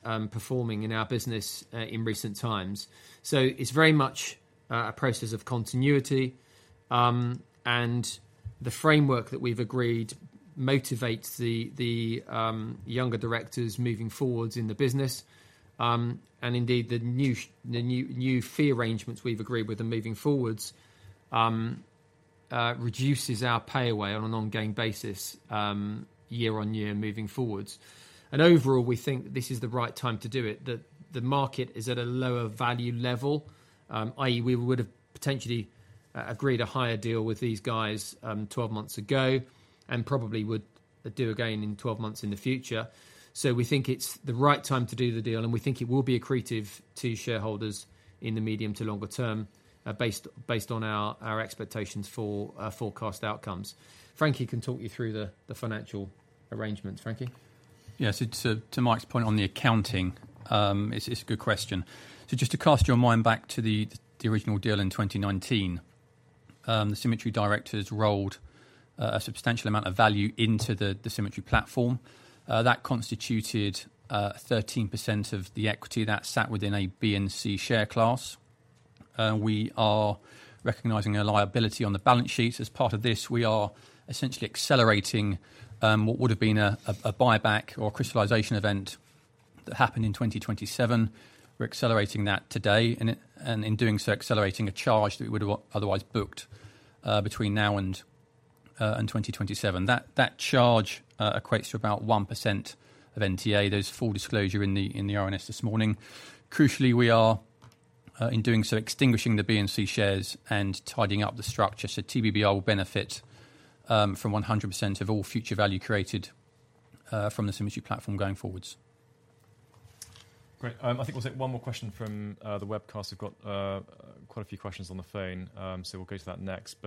S2: performing in our business in recent times. It's very much a process of continuity. The framework that we've agreed motivates the, the younger directors moving forwards in the business. Indeed, the new, new fee arrangements we've agreed with them moving forwards, reduces our pay away on an ongoing basis, year-on-year, moving forwards. Overall, we think this is the right time to do it. The, the market is at a lower value level, i.e., we would have potentially agreed a higher deal with these guys, 12 months ago, and probably would do again in 12 months in the future. We think it's the right time to do the deal, and we think it will be accretive to shareholders in the medium to longer term, based on our expectations for forecast outcomes. Frankie can talk you through the, the financial arrangements. Frankie?
S3: Yes, it's to Mike's point on the accounting, it's a good question. Just to cast your mind back to the original deal in 2019, the Symmetry directors rolled a substantial amount of value into the Symmetry platform. That constituted 13% of the equity that sat within a B and C share class. We are recognizing a liability on the balance sheet. Part of this, we are essentially accelerating what would have been a buyback or crystallization event that happened in 2027. We're accelerating that today, and in doing so, accelerating a charge that we would've otherwise booked between now and 2027. That charge equates to about 1% of NTA. There's full disclosure in the RNS this morning. Crucially, we are in doing so, extinguishing the B and C shares and tidying up the structure. TBBR will benefit from 100% of all future value created from the Symmetry platform going forwards.
S1: Great. I think we'll take one more question from the webcast. We've got quite a few questions on the phone, so we'll go to that next.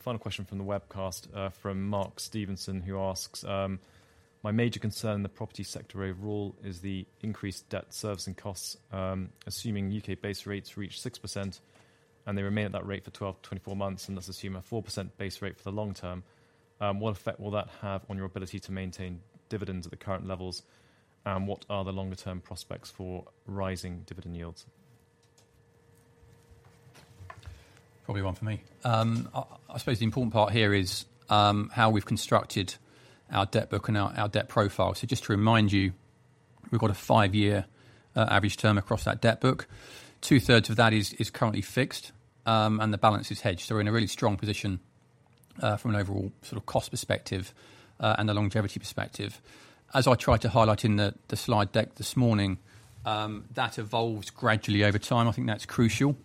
S1: Final question from the webcast, from Mark Stevenson, who asks: My major concern in the property sector overall is the increased debt servicing costs, assuming U.K. base rates reach 6%, and they remain at that rate for 12-24 months, and let's assume a 4% base rate for the long term, what effect will that have on your ability to maintain dividends at the current levels? What are the longer term prospects for rising dividend yields?
S3: Probably one for me. I suppose the important part here is how we've constructed our debt book and our debt profile. Just to remind you, we've got a five-year average term across that debt book. 2/3 of that is currently fixed, and the balance is hedged. We're in a really strong position from an overall sort of cost perspective and a longevity perspective. As I tried to highlight in the slide deck this morning, that evolves gradually over time. I think that's crucial.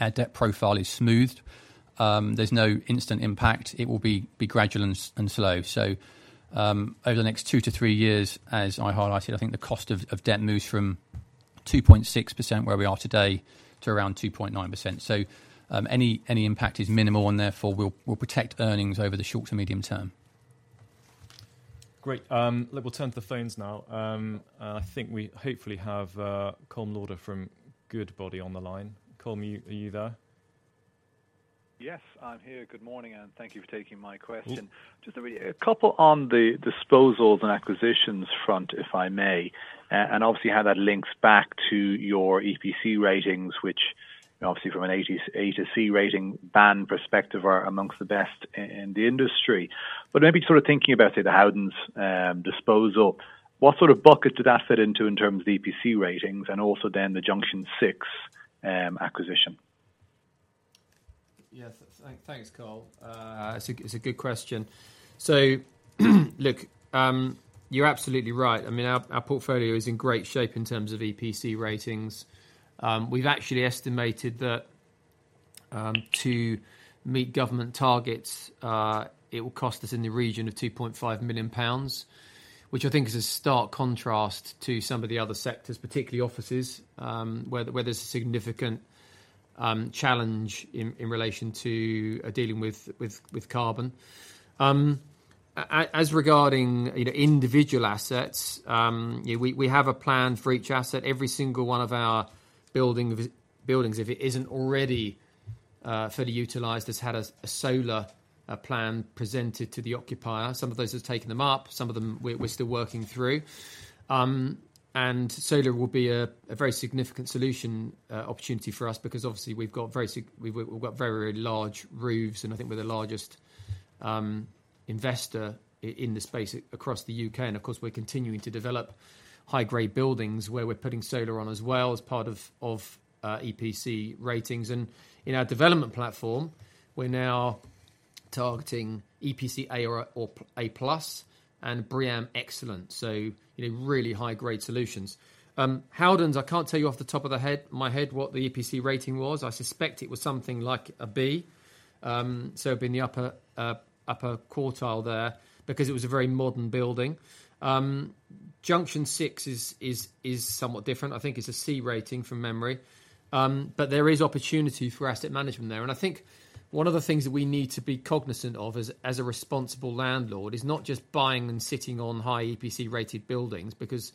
S3: Our debt profile is smoothed. There's no instant impact. It will be gradual and slow. Over the next two to three years, as I highlighted, I think the cost of debt moves from 2.6%, where we are today, to around 2.9%. Any, any impact is minimal, and therefore, we'll, we'll protect earnings over the short to medium term.
S1: Great. Look, we'll turn to the phones now. I think we hopefully have Colm Lauder from Goodbody on the line. Colm, are you there?
S4: Yes, I'm here. Good morning, and thank you for taking my question.
S1: Mm-hmm.
S4: Just a couple on the disposals and acquisitions front, if I may, obviously how that links back to your EPC ratings, which obviously from an A to C rating band perspective, are amongst the best in the industry. Maybe sort of thinking about the Howdens disposal, what sort of bucket did that fit into in terms of EPC ratings, and also then the Junction Six acquisition?
S2: Yes, thanks, Colin. It's a good question. Look, you're absolutely right. I mean, our portfolio is in great shape in terms of EPC ratings. We've actually estimated that to meet government targets, it will cost us in the region of 2.5 million pounds, which I think is a stark contrast to some of the other sectors, particularly offices, where there's a significant challenge in relation to dealing with carbon. Regarding, you know, individual assets, we have a plan for each asset. Every single one of our buildings, if it isn't already fully utilized, has had a solar plan presented to the occupier. Some of those have taken them up, some of them we're still working through. Solar will be a very significant solution opportunity for us because obviously, we've got very large roofs, and I think we're the largest investor in the space across the U.K. Of course, we're continuing to develop high-grade buildings where we're putting solar on as well as part of EPC ratings. In our development platform, we're now targeting EPC A or A+ and BREEAM Excellent, so, you know, really high-grade solutions. Howdens, I can't tell you off the top of my head what the EPC rating was. I suspect it was something like a B. It'd be in the upper upper quartile there because it was a very modern building. Junction Six is somewhat different. I think it's a C rating from memory. There is opportunity for asset management there. I think one of the things that we need to be cognizant of as a responsible landlord, is not just buying and sitting on high EPC-rated buildings, because,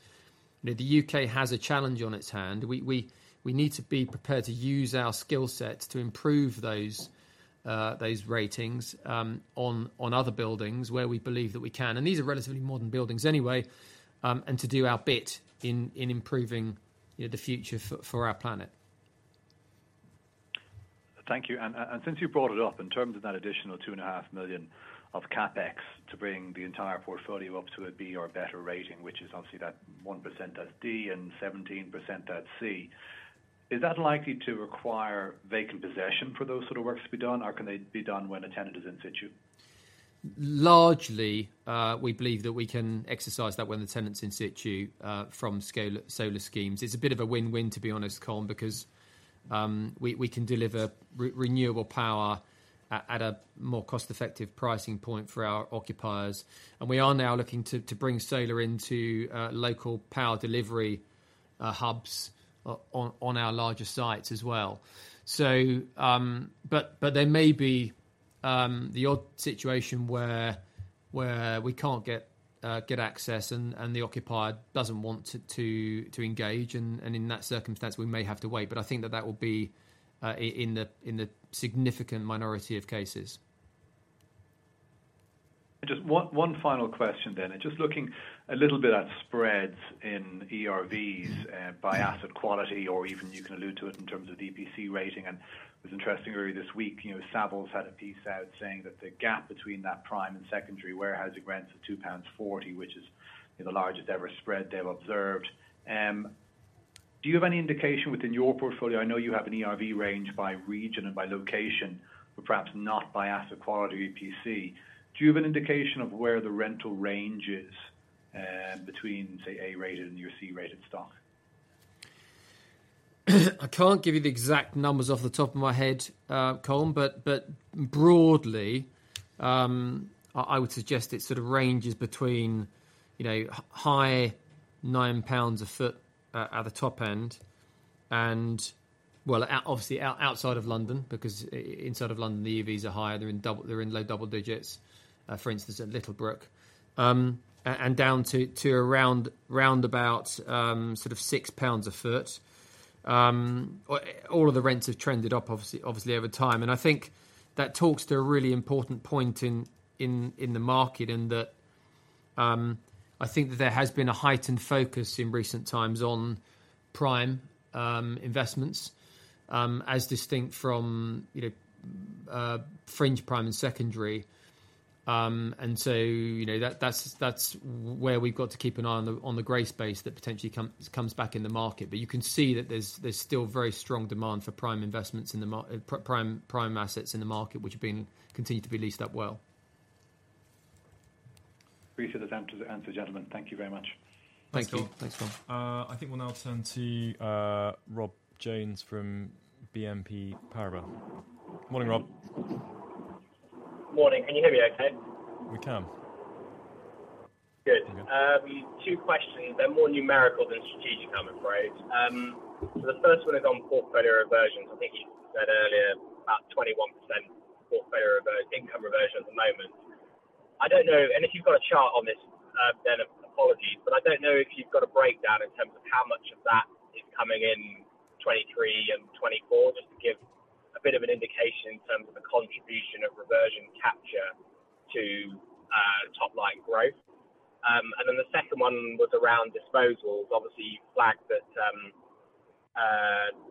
S2: you know, the U.K. has a challenge on its hand. We, we, we need to be prepared to use our skill sets to improve those ratings on other buildings where we believe that we can, and these are relatively modern buildings anyway, and to do our bit in improving, you know, the future for our planet.
S4: Thank you. Since you brought it up, in terms of that additional 2.5 million of CapEx to bring the entire portfolio up to a B or better rating, which is obviously that 1% that's D and 17% that's C, is that likely to require vacant possession for those sort of works to be done, or can they be done when a tenant is in situ?
S2: Largely, we believe that we can exercise that when the tenant's in situ, from scale, solar schemes. It's a bit of a win-win, to be honest, Colin, because we can deliver renewable power at a more cost-effective pricing point for our occupiers. We are now looking to bring solar into local power delivery hubs on our larger sites as well. But there may be the odd situation where we can't get access and the occupier doesn't want to engage, and in that circumstance, we may have to wait. I think that that will be in the significant minority of cases.
S4: Just one, one final question then. Just looking a little bit at spreads in ERVs by asset quality, or even you can allude to it in terms of the EPC rating. It was interesting, earlier this week, you know, Savills had a piece out saying that the gap between that prime and secondary warehousing rents are 2.40, which is, you know, the largest ever spread they've observed. Do you have any indication within your portfolio? I know you have an ERV range by region and by location, but perhaps not by asset quality or EPC. Do you have an indication of where the rental range is between, say, A-rated and your C-rated stock?
S2: I can't give you the exact numbers off the top of my head, Colin, but broadly, I would suggest it sort of ranges between, you know, high 9 pounds a foot at the top end. Well, obviously, outside of London, because inside of London, the ERVs are higher. They're in double, they're in low double digits, for instance, at Littlebrook. Down to around, round about, sort of 6 pounds a foot. All of the rents have trended up, obviously, obviously over time, and I think that talks to a really important point in, in, in the market, and that, I think that there has been a heightened focus in recent times on prime investments, as distinct from, you know, fringe, prime, and secondary. You know, that's where we've got to keep an eye on the, on the gray space that potentially comes back in the market. You can see that there's still very strong demand for prime investments in the market, prime assets in the market, which have been, continue to be leased out well.
S4: Briefest answer, answer, gentlemen. Thank you very much.
S2: Thank you.
S1: Thanks, Colin. I think we'll now turn to Rob Jones from BNP Paribas. Morning, Rob.
S5: Morning. Can you hear me okay?
S1: We can.
S5: Good.
S1: Okay.
S5: Two questions. They're more numerical than strategic, I'm afraid. The first one is on portfolio reversions. I think you said earlier, about 21% portfolio reverse- income reversion at the moment. I don't know, and if you've got a chart on this, then apologies, but I don't know if you've got a breakdown in terms of how much of that is coming in 2023 and 2024, just to give a bit of an indication in terms of the contribution of reversion capture to top-line growth. The second one was around disposals. Obviously, you flagged that,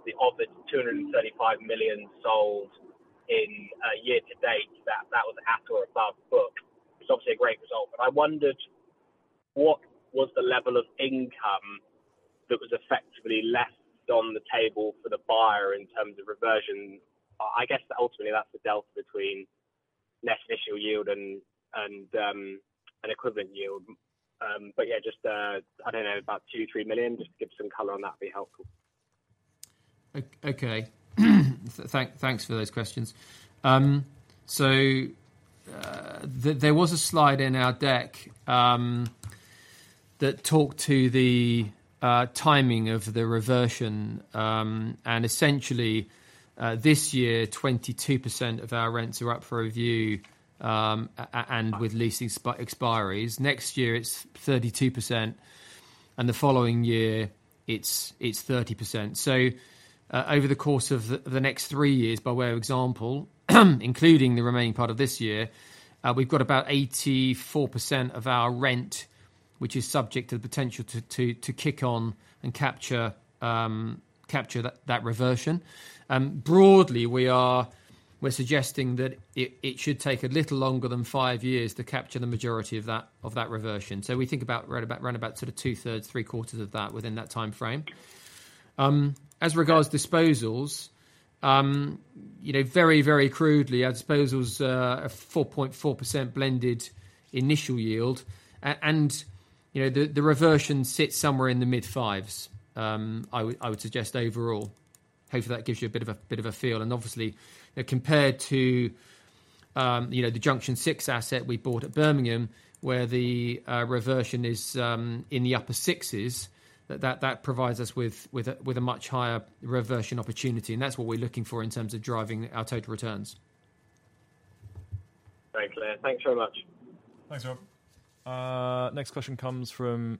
S5: the of the 235 million sold in year to date-... above book. It's obviously a great result, but I wondered, what was the level of income that was effectively left on the table for the buyer in terms of reversion? I guess ultimately, that's the delta between net initial yield and, and an equivalent yield. Yeah, just, I don't know, about 2 million-3 million, just to give some color on that would be helpful.
S2: Okay. Thanks for those questions. There was a slide in our deck that talked to the timing of the reversion. Essentially, this year, 22% of our rents are up for review and with leasing expiries. Next year, it's 32%, and the following year it's 30%. Over the course of the next three years, by way of example, including the remaining part of this year, we've got about 84% of our rent, which is subject to the potential to kick on and capture that reversion. Broadly, we're suggesting that it should take a little longer than five years to capture the majority of that reversion. We think about round about sort of 2/3, three-quarters of that within that timeframe.
S5: Okay.
S2: As regards disposals, very, very crudely, our disposals are a 4.4% blended initial yield. The reversion sits somewhere in the mid-five's, I would suggest overall. Hopefully, that gives you a bit of a, bit of a feel. Obviously, compared to the Junction Six asset we bought at Birmingham, where the reversion is in the upper six's, that provides us with a much higher reversion opportunity, and that's what we're looking for in terms of driving our total returns.
S5: Very clear. Thanks very much.
S1: Thanks, Rob. Next question comes from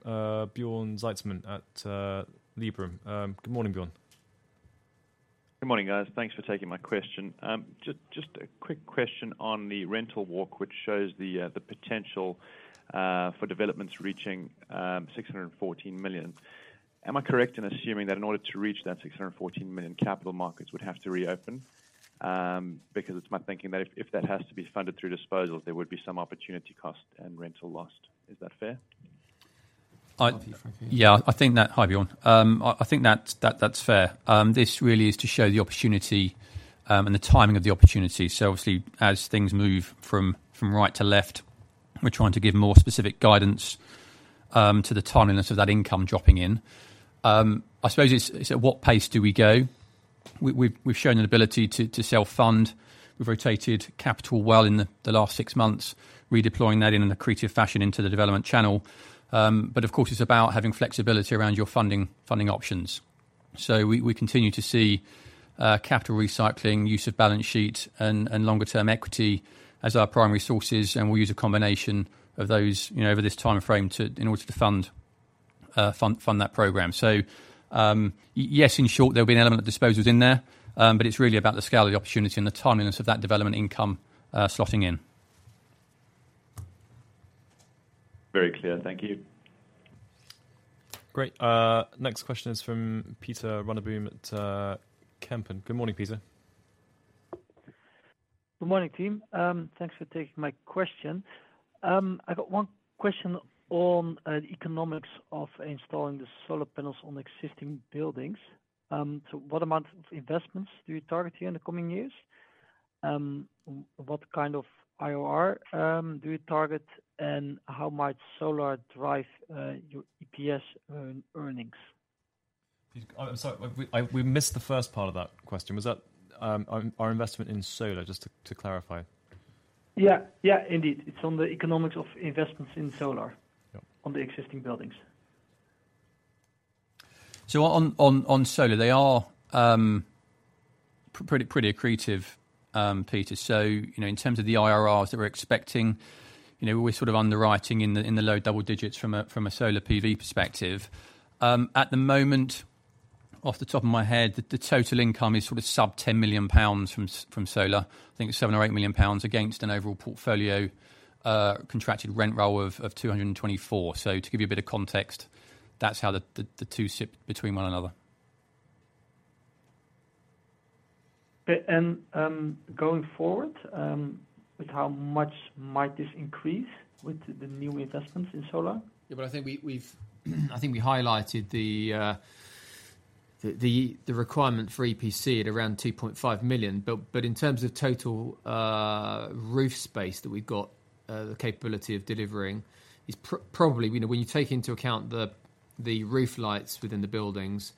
S1: Bjorn Zietsman at Liberum. Good morning, Bjorn.
S6: Good morning, guys. Thanks for taking my question. just, just a quick question on the rental walk, which shows the potential for developments reaching 614 million. Am I correct in assuming that in order to reach that 614 million, capital markets would have to reopen? It's my thinking that if, if that has to be funded through disposals, there would be some opportunity cost and rental lost. Is that fair?
S2: I-
S1: Do you want to
S2: Yeah, I think that. Hi, Bjorn. I, I think that's, that, that's fair. This really is to show the opportunity, and the timing of the opportunity. Obviously, as things move from, from right to left, we're trying to give more specific guidance, to the timeliness of that income dropping in. I suppose it's, it's at what pace do we go? We've, we've shown an ability to, to sell fund. We've rotated capital well in the, the last six months, redeploying that in an accretive fashion into the development channel. Of course, it's about having flexibility around your funding, funding options. We, we continue to see, capital recycling, use of balance sheet and, and longer term equity as our primary sources, and we'll use a combination of those, you know, over this timeframe in order to fund that program. Yes, in short, there'll be an element of disposals in there, but it's really about the scale of the opportunity and the timeliness of that development income, slotting in.
S6: Very clear. Thank you.
S1: Great. next question is from Pieter Runneboom at Kempen. Good morning, Pieter.
S7: Good morning, team. Thanks for taking my question. I got one question on economics of installing the solar panels on existing buildings. What amount of investments do you target here in the coming years? What kind of IRR do you target, and how much solar drive your EPS earnings?
S1: Oh, sorry, we, we missed the first part of that question. Was that, our, our investment in solar, just to, to clarify?
S7: Yeah, yeah, indeed. It's on the economics of investments in solar-
S1: Yep
S7: on the existing buildings.
S2: On solar, they are pretty, pretty accretive, Pieter. You know, in terms of the IRRs that we're expecting, you know, we're sort of underwriting in the, in the low double digits from a, from a solar PV perspective. At the moment, off the top of my head, the, the total income is sort of sub 10 million pounds from solar. I think it's 7 million or 8 million pounds against an overall portfolio, contracted rent roll of 224 million. To give you a bit of context, that's how the, the, the two sit between one another.
S7: Okay, going forward, with how much might this increase with the new investments in solar?
S2: Yeah, I think we highlighted the, the, the requirement for EPC at around 2.5 million. But in terms of total roof space that we've got, the capability of delivering, is probably, you know, when you take into account the roof lights within the buildings,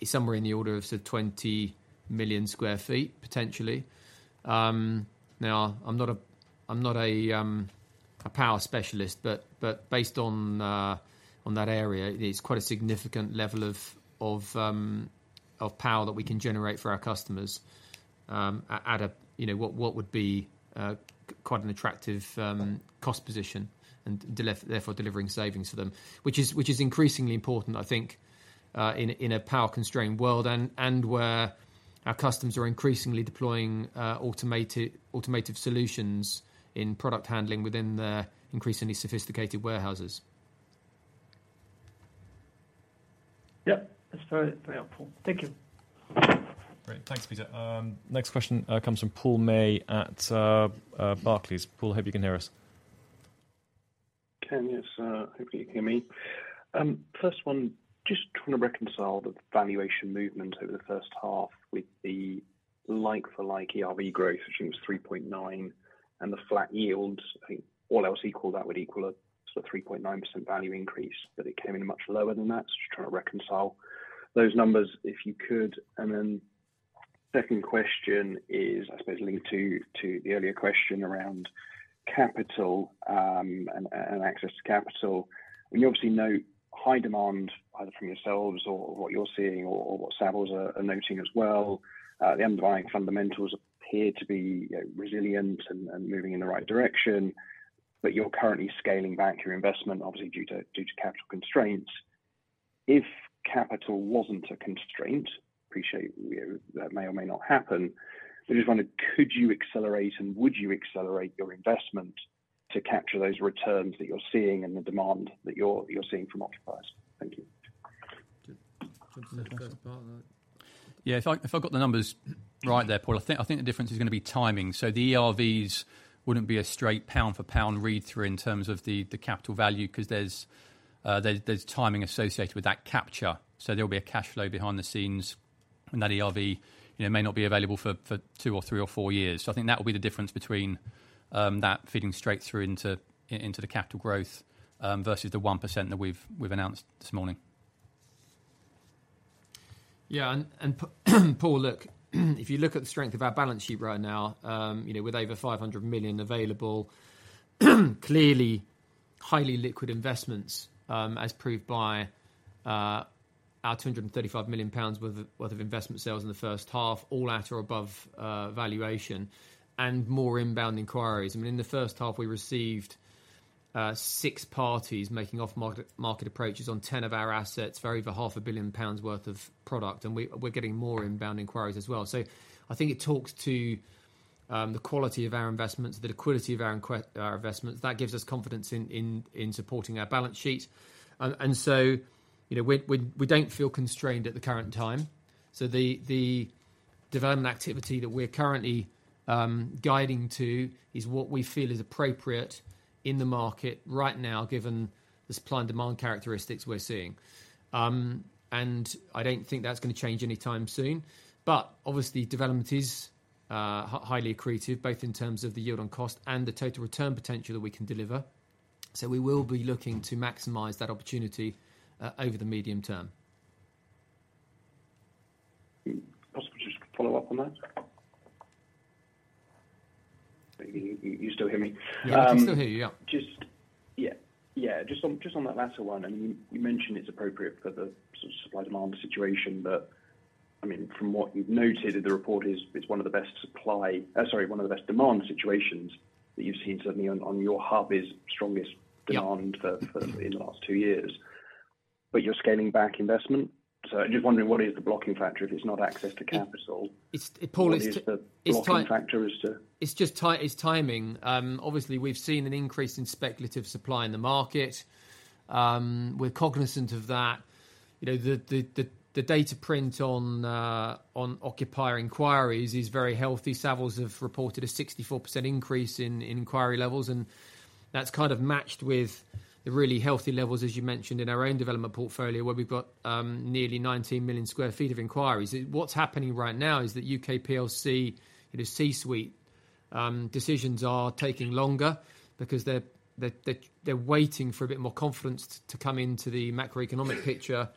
S2: it's somewhere in the order of sort of 20 million sq ft, potentially. Now, I'm not a, I'm not a power specialist, but based on that area, it's quite a significant level of power that we can generate for our customers, at a, you know, what, what would be quite an attractive cost position, and therefore, delivering savings to them. Which is, which is increasingly important, I think, in a, in a power-constrained world and, and where our customers are increasingly deploying, automated, automated solutions in product handling within their increasingly sophisticated warehouses.
S7: Yep, that's very, very helpful. Thank you.
S1: Great. Thanks, Pieter. next question comes from Paul May at Barclays. Paul, hope you can hear us.
S8: Can, yes, hope you can hear me. First one, just trying to reconcile the valuation movement over the first half with the like-for-like ERV growth, which was 3.9, and the flat yields. I think all else equal, that would equal a sort of 3.9% value increase, but it came in much lower than that. Just trying to reconcile those numbers, if you could. Then second question is, I suppose linked to, to the earlier question around capital, and, and access to capital. When you obviously note high demand, either from yourselves or what you're seeing or, or what Savills are, are noting as well, the underlying fundamentals appear to be, resilient and, and moving in the right direction. You're currently scaling back your investment, obviously due to, due to capital constraints. If capital wasn't a constraint, appreciate, you know, that may or may not happen, I just wondered, could you accelerate and would you accelerate your investment to capture those returns that you're seeing and the demand that you're, you're seeing from occupiers? Thank you.
S1: Do you want to take the first part of that?
S3: Yeah, if I got the numbers right there, Paul, I think the difference is gonna be timing. The ERVs wouldn't be a straight pound for pound read-through in terms of the capital value, 'cause there's, there's timing associated with that capture. There'll be a cash flow behind the scenes, and that ERV, you know, may not be available for two or three or four years. I think that will be the difference between that feeding straight through into the capital growth versus the 1% that we've announced this morning.
S2: Paul, look, if you look at the strength of our balance sheet right now, you know, with over 500 million available, clearly highly liquid investments, as proved by our 235 million pounds worth of investment sales in the first half, all at or above valuation and more inbound inquiries. I mean, in the first half, we received six parties making off market, market approaches on 10 of our assets, vary for 500 million pounds worth of product, and we're getting more inbound inquiries as well. I think it talks to the quality of our investments, the liquidity of our investments. That gives us confidence in supporting our balance sheet. You know, we don't feel constrained at the current time. The, the development activity that we're currently guiding to is what we feel is appropriate in the market right now, given the supply and demand characteristics we're seeing. I don't think that's gonna change anytime soon, but obviously, development is highly accretive, both in terms of the yield on cost and the total return potential that we can deliver. We will be looking to maximize that opportunity over the medium term.
S8: Possibly just follow up on that? You, you still hear me?
S3: Yeah, I can still hear you, yeah.
S8: Just yeah. Yeah, just on, just on that latter one, I mean, you mentioned it's appropriate for the supply/demand situation, but I mean, from what you've noted in the report, it's, it's one of the best, sorry, one of the best demand situations that you've seen, certainly on, on your hub is strongest demand.
S2: Yeah
S8: for, for in the last two years. You're scaling back investment? I'm just wondering, what is the blocking factor if it's not access to capital?
S2: It's, Paul.
S8: What is the blocking factor as to-
S2: It's just it's timing. Obviously, we've seen an increase in speculative supply in the market. We're cognizant of that. You know, the data print on occupier inquiries is very healthy. Savills have reported a 64% increase in inquiry levels, and that's kind of matched with the really healthy levels, as you mentioned in our own development portfolio, where we've got nearly 19 million sq ft of inquiries. What's happening right now is that U.K. PLC, in a C-suite, decisions are taking longer because they're waiting for a bit more confidence to come into the macroeconomic picture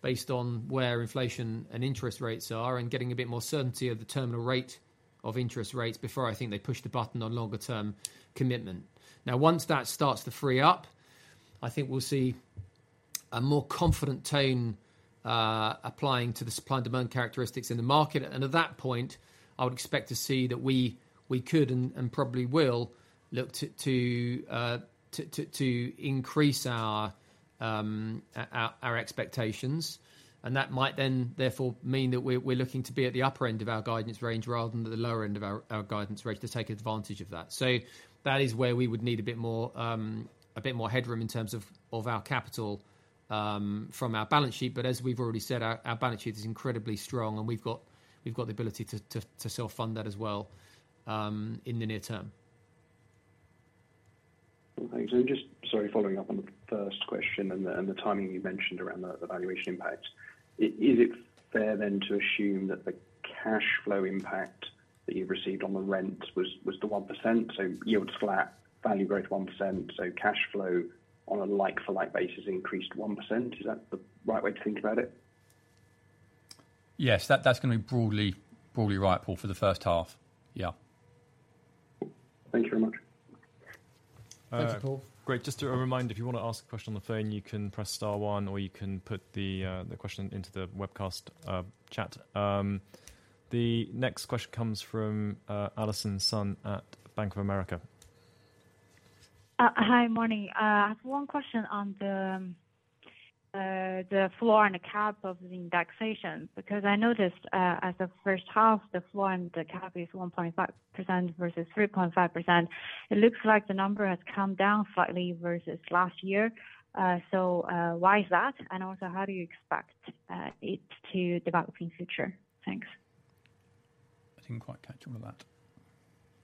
S2: based on where inflation and interest rates are, and getting a bit more certainty of the terminal rate of interest rates before I think they push the button on longer term commitment. Once that starts to free up, I think we'll see a more confident tone applying to the supply and demand characteristics in the market. At that point, I would expect to see that we, we could, and probably will, look to increase our expectations. That might then therefore mean that we're looking to be at the upper end of our guidance range, rather than the lower end of our guidance range, to take advantage of that. That is where we would need a bit more, a bit more headroom in terms of our capital from our balance sheet. As we've already said, our balance sheet is incredibly strong, and we've got the ability to self-fund that as well in the near term.
S8: Thanks. Just, sorry, following up on the first question and the, and the timing you mentioned around the, the valuation impact. Is it fair then to assume that the cashflow impact that you've received on the rent was, was the 1%, so yield flat, value growth 1%, so cashflow on a like-for-like basis increased 1%? Is that the right way to think about it?
S2: Yes, that, that's gonna be broadly, broadly right, Paul, for the first half. Yeah.
S8: Thank you very much.
S3: Thanks, Paul.
S1: Great. Just a reminder, if you wanna ask a question on the phone, you can press star one, or you can put the question into the webcast chat. The next question comes from Allison Sun at Bank of America.
S9: Hi, morning. I have one question on the floor and the cap of the indexation, because I noticed, at the first half, the floor and the cap is 1.5% versus 3.5%. It looks like the number has come down slightly versus last year. Why is that? How do you expect it to develop in future? Thanks.
S3: I didn't quite catch all of that.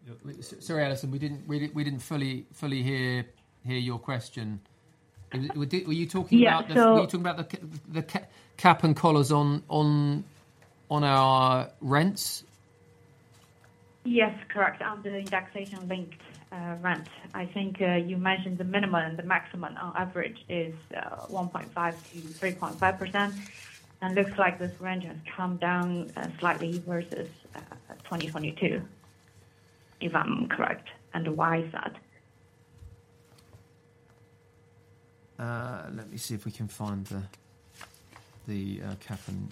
S2: Yeah. Sorry, Allison, we didn't fully hear your question. Were you talking about-
S9: Yeah.
S2: Were you talking about the cap and collars on our rents?
S9: Yes, correct. On the indexation linked rent. I think, you mentioned the minimum and the maximum. Our average is 1.5%-3.5%, and looks like this range has come down slightly versus 2022, if I'm correct. Why is that?
S2: Let me see if we can find the, the, cap and...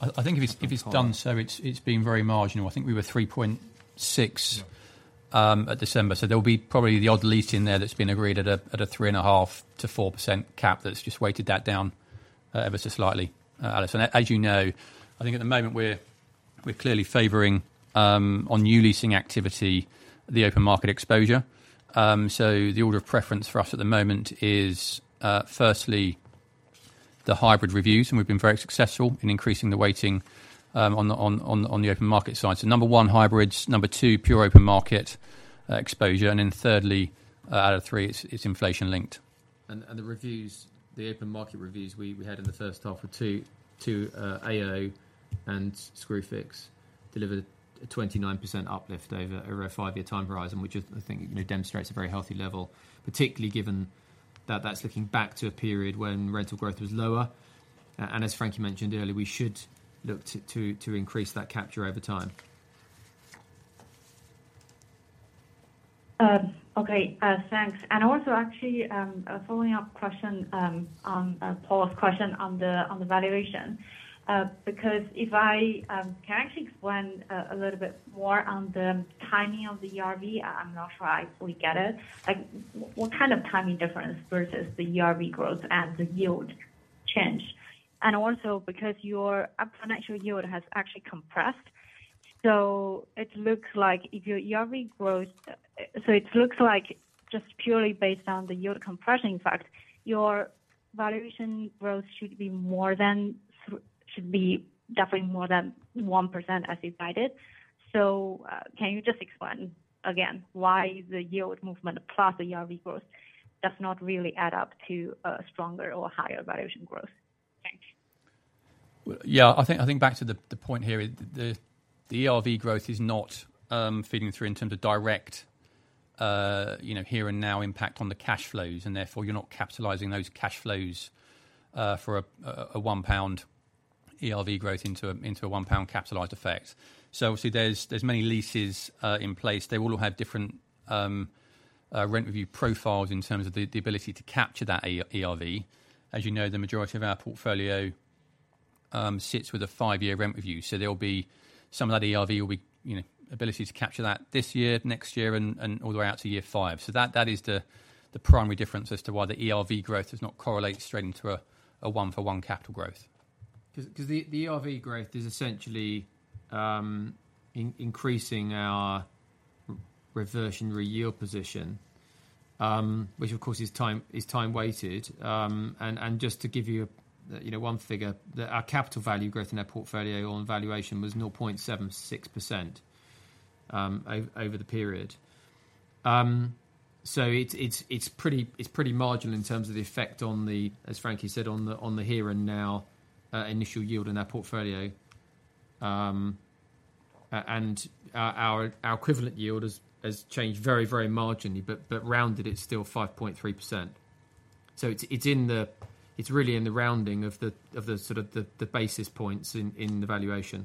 S3: I, I think if it's, if it's done, so it's, it's been very marginal. I think we were 3.6-
S2: Yeah...
S3: at December, so there'll be probably the odd lease in there that's been agreed at a 3.5%-4% cap that's just weighted that down ever so slightly, Allison. As you know, I think at the moment we're clearly favoring on new leasing activity, the open market exposure. The order of preference for us at the moment is firstly, the hybrid reviews, and we've been very successful in increasing the weighting on the open market side. Number one, hybrids. Number two, pure open market exposure. Then thirdly, out of three, it's inflation-linked.
S2: The reviews, the open market reviews we, we had in the first half were AO and Screwfix delivered a 29% uplift over a five-year time horizon, which is, I think, you know, demonstrates a very healthy level, particularly given that that's looking back to a period when rental growth was lower. As Frankie mentioned earlier, we should look to, to, to increase that capture over time.
S9: Okay, thanks. Also, actually, a following-up question on Paul's question on the valuation. If I... Can I actually explain a little bit more on the timing of the ERV? I'm not sure I fully get it. Like, what kind of timing difference versus the ERV growth and the yield change? And also, because your upfront actual yield has actually compressed, so it looks like if your ERV growth... So it looks like just purely based on the yield compression fact, your valuation growth should be more than should be definitely more than 1% as guided. Can you just explain again why the yield movement plus the ERV growth does not really add up to a stronger or higher valuation growth? Thank you.
S3: Yeah, I think, I think back to the, the point here, the, the ERV growth is not feeding through in terms of direct, you know, here and now impact on the cash flows, and therefore, you're not capitalizing those cash flows for a, a, a 1 pound ERV growth into a, into a 1 pound capitalized effect. Obviously, there's, there's many leases in place. They all have different rent review profiles in terms of the, the ability to capture that ER, ERV. As you know, the majority of our portfolio sits with a five-year rent review, so there'll be some of that ERV will be, you know, ability to capture that this year, next year, and, and all the way out to year five. That, that is the, the primary difference as to why the ERV growth does not correlate straight into a, a one-for-one capital growth.
S2: 'Cause, 'cause the ERV growth is essentially increasing our reversionary yield position, which of course is time, is time-weighted. Just to give you a, you know, 1 figure, the, our capital value growth in our portfolio on valuation was 0.76% over the period. It's, it's, it's pretty, it's pretty marginal in terms of the effect on the, as Frankie said, on the, on the here and now, initial yield in our portfolio. Our, our equivalent yield has, has changed very, very marginally, but, but rounded, it's still 5.3%. It's, it's in the It's really in the rounding of the, of the sort of the, the basis points in, in the valuation.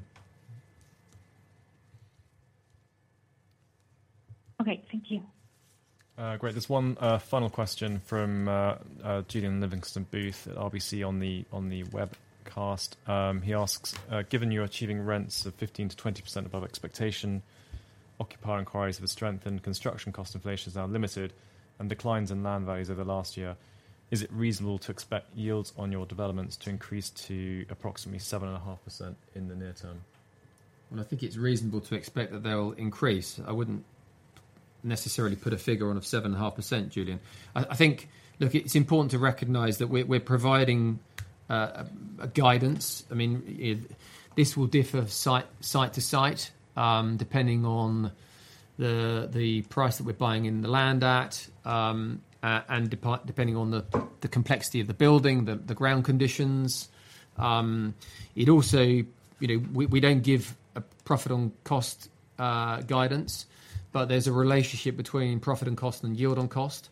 S9: Okay, thank you.
S1: Great. There's one final question from Julian Livingston-Booth at RBC on the webcast. He asks: "Given you're achieving rents of 15%-20% above expectation, occupier inquiries have strengthened, construction cost inflation is now limited, and declines in land values over the last year, is it reasonable to expect yields on your developments to increase to approximately 7.5% in the near term?
S2: Well, I think it's reasonable to expect that they will increase. I wouldn't necessarily put a figure on of 7.5%, Julian. I, I think, look, it's important to recognize that we're, we're providing a guidance. I mean, this will differ site, site to site, depending on the price that we're buying in the land at, and depending on the complexity of the building, the ground conditions. It also, you know, we, we don't give a profit on cost guidance, but there's a relationship between profit and cost and yield on cost.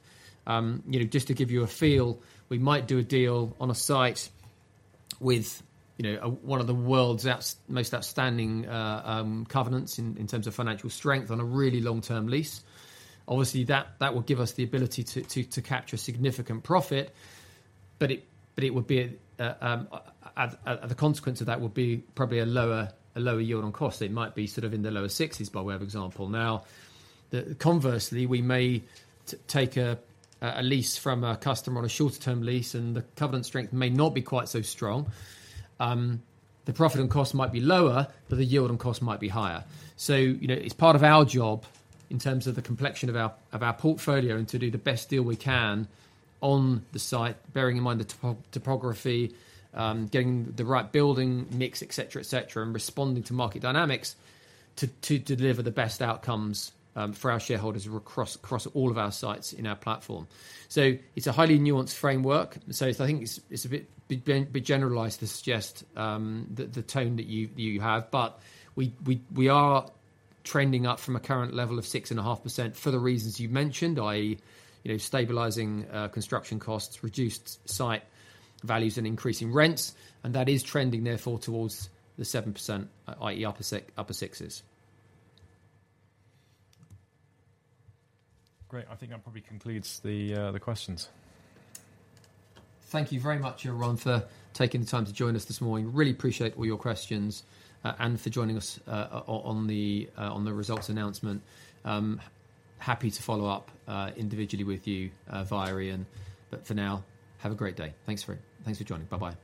S2: You know, just to give you a feel, we might do a deal on a site with, you know, one of the world's most outstanding covenants in terms of financial strength on a really long-term lease. Obviously, that, that will give us the ability to, to, to capture a significant profit, but it, but it would be, the consequence of that would be probably a lower, a lower yield on cost. It might be sort of in the lower 60s, by way of example. Conversely, we may take a, a, a lease from a customer on a shorter-term lease. The covenant strength may not be quite so strong. The profit and cost might be lower. The yield on cost might be higher. You know, it's part of our job in terms of the complexion of our, of our portfolio and to do the best deal we can on the site, bearing in mind the topography, getting the right building mix, etc., etc., and responding to market dynamics, to, to deliver the best outcomes for our shareholders across, across all of our sites in our platform. It's a highly nuanced framework. I think it's, it's a bit, bit generalized to suggest the, the tone that you, you have, but we, we, we are trending up from a current level of 6.5% for the reasons you mentioned, i.e., you know, stabilizing construction costs, reduced site values, and increasing rents, and that is trending therefore towards the 7%, i.e., upper six, upper six's.
S1: Great. I think that probably concludes the, the questions.
S2: Thank you very much, everyone, for taking the time to join us this morning. Really appreciate all your questions, and for joining us on the results announcement. Happy to follow up individually with you via Ian. For now, have a great day. Thanks for, thanks for joining. Bye-bye.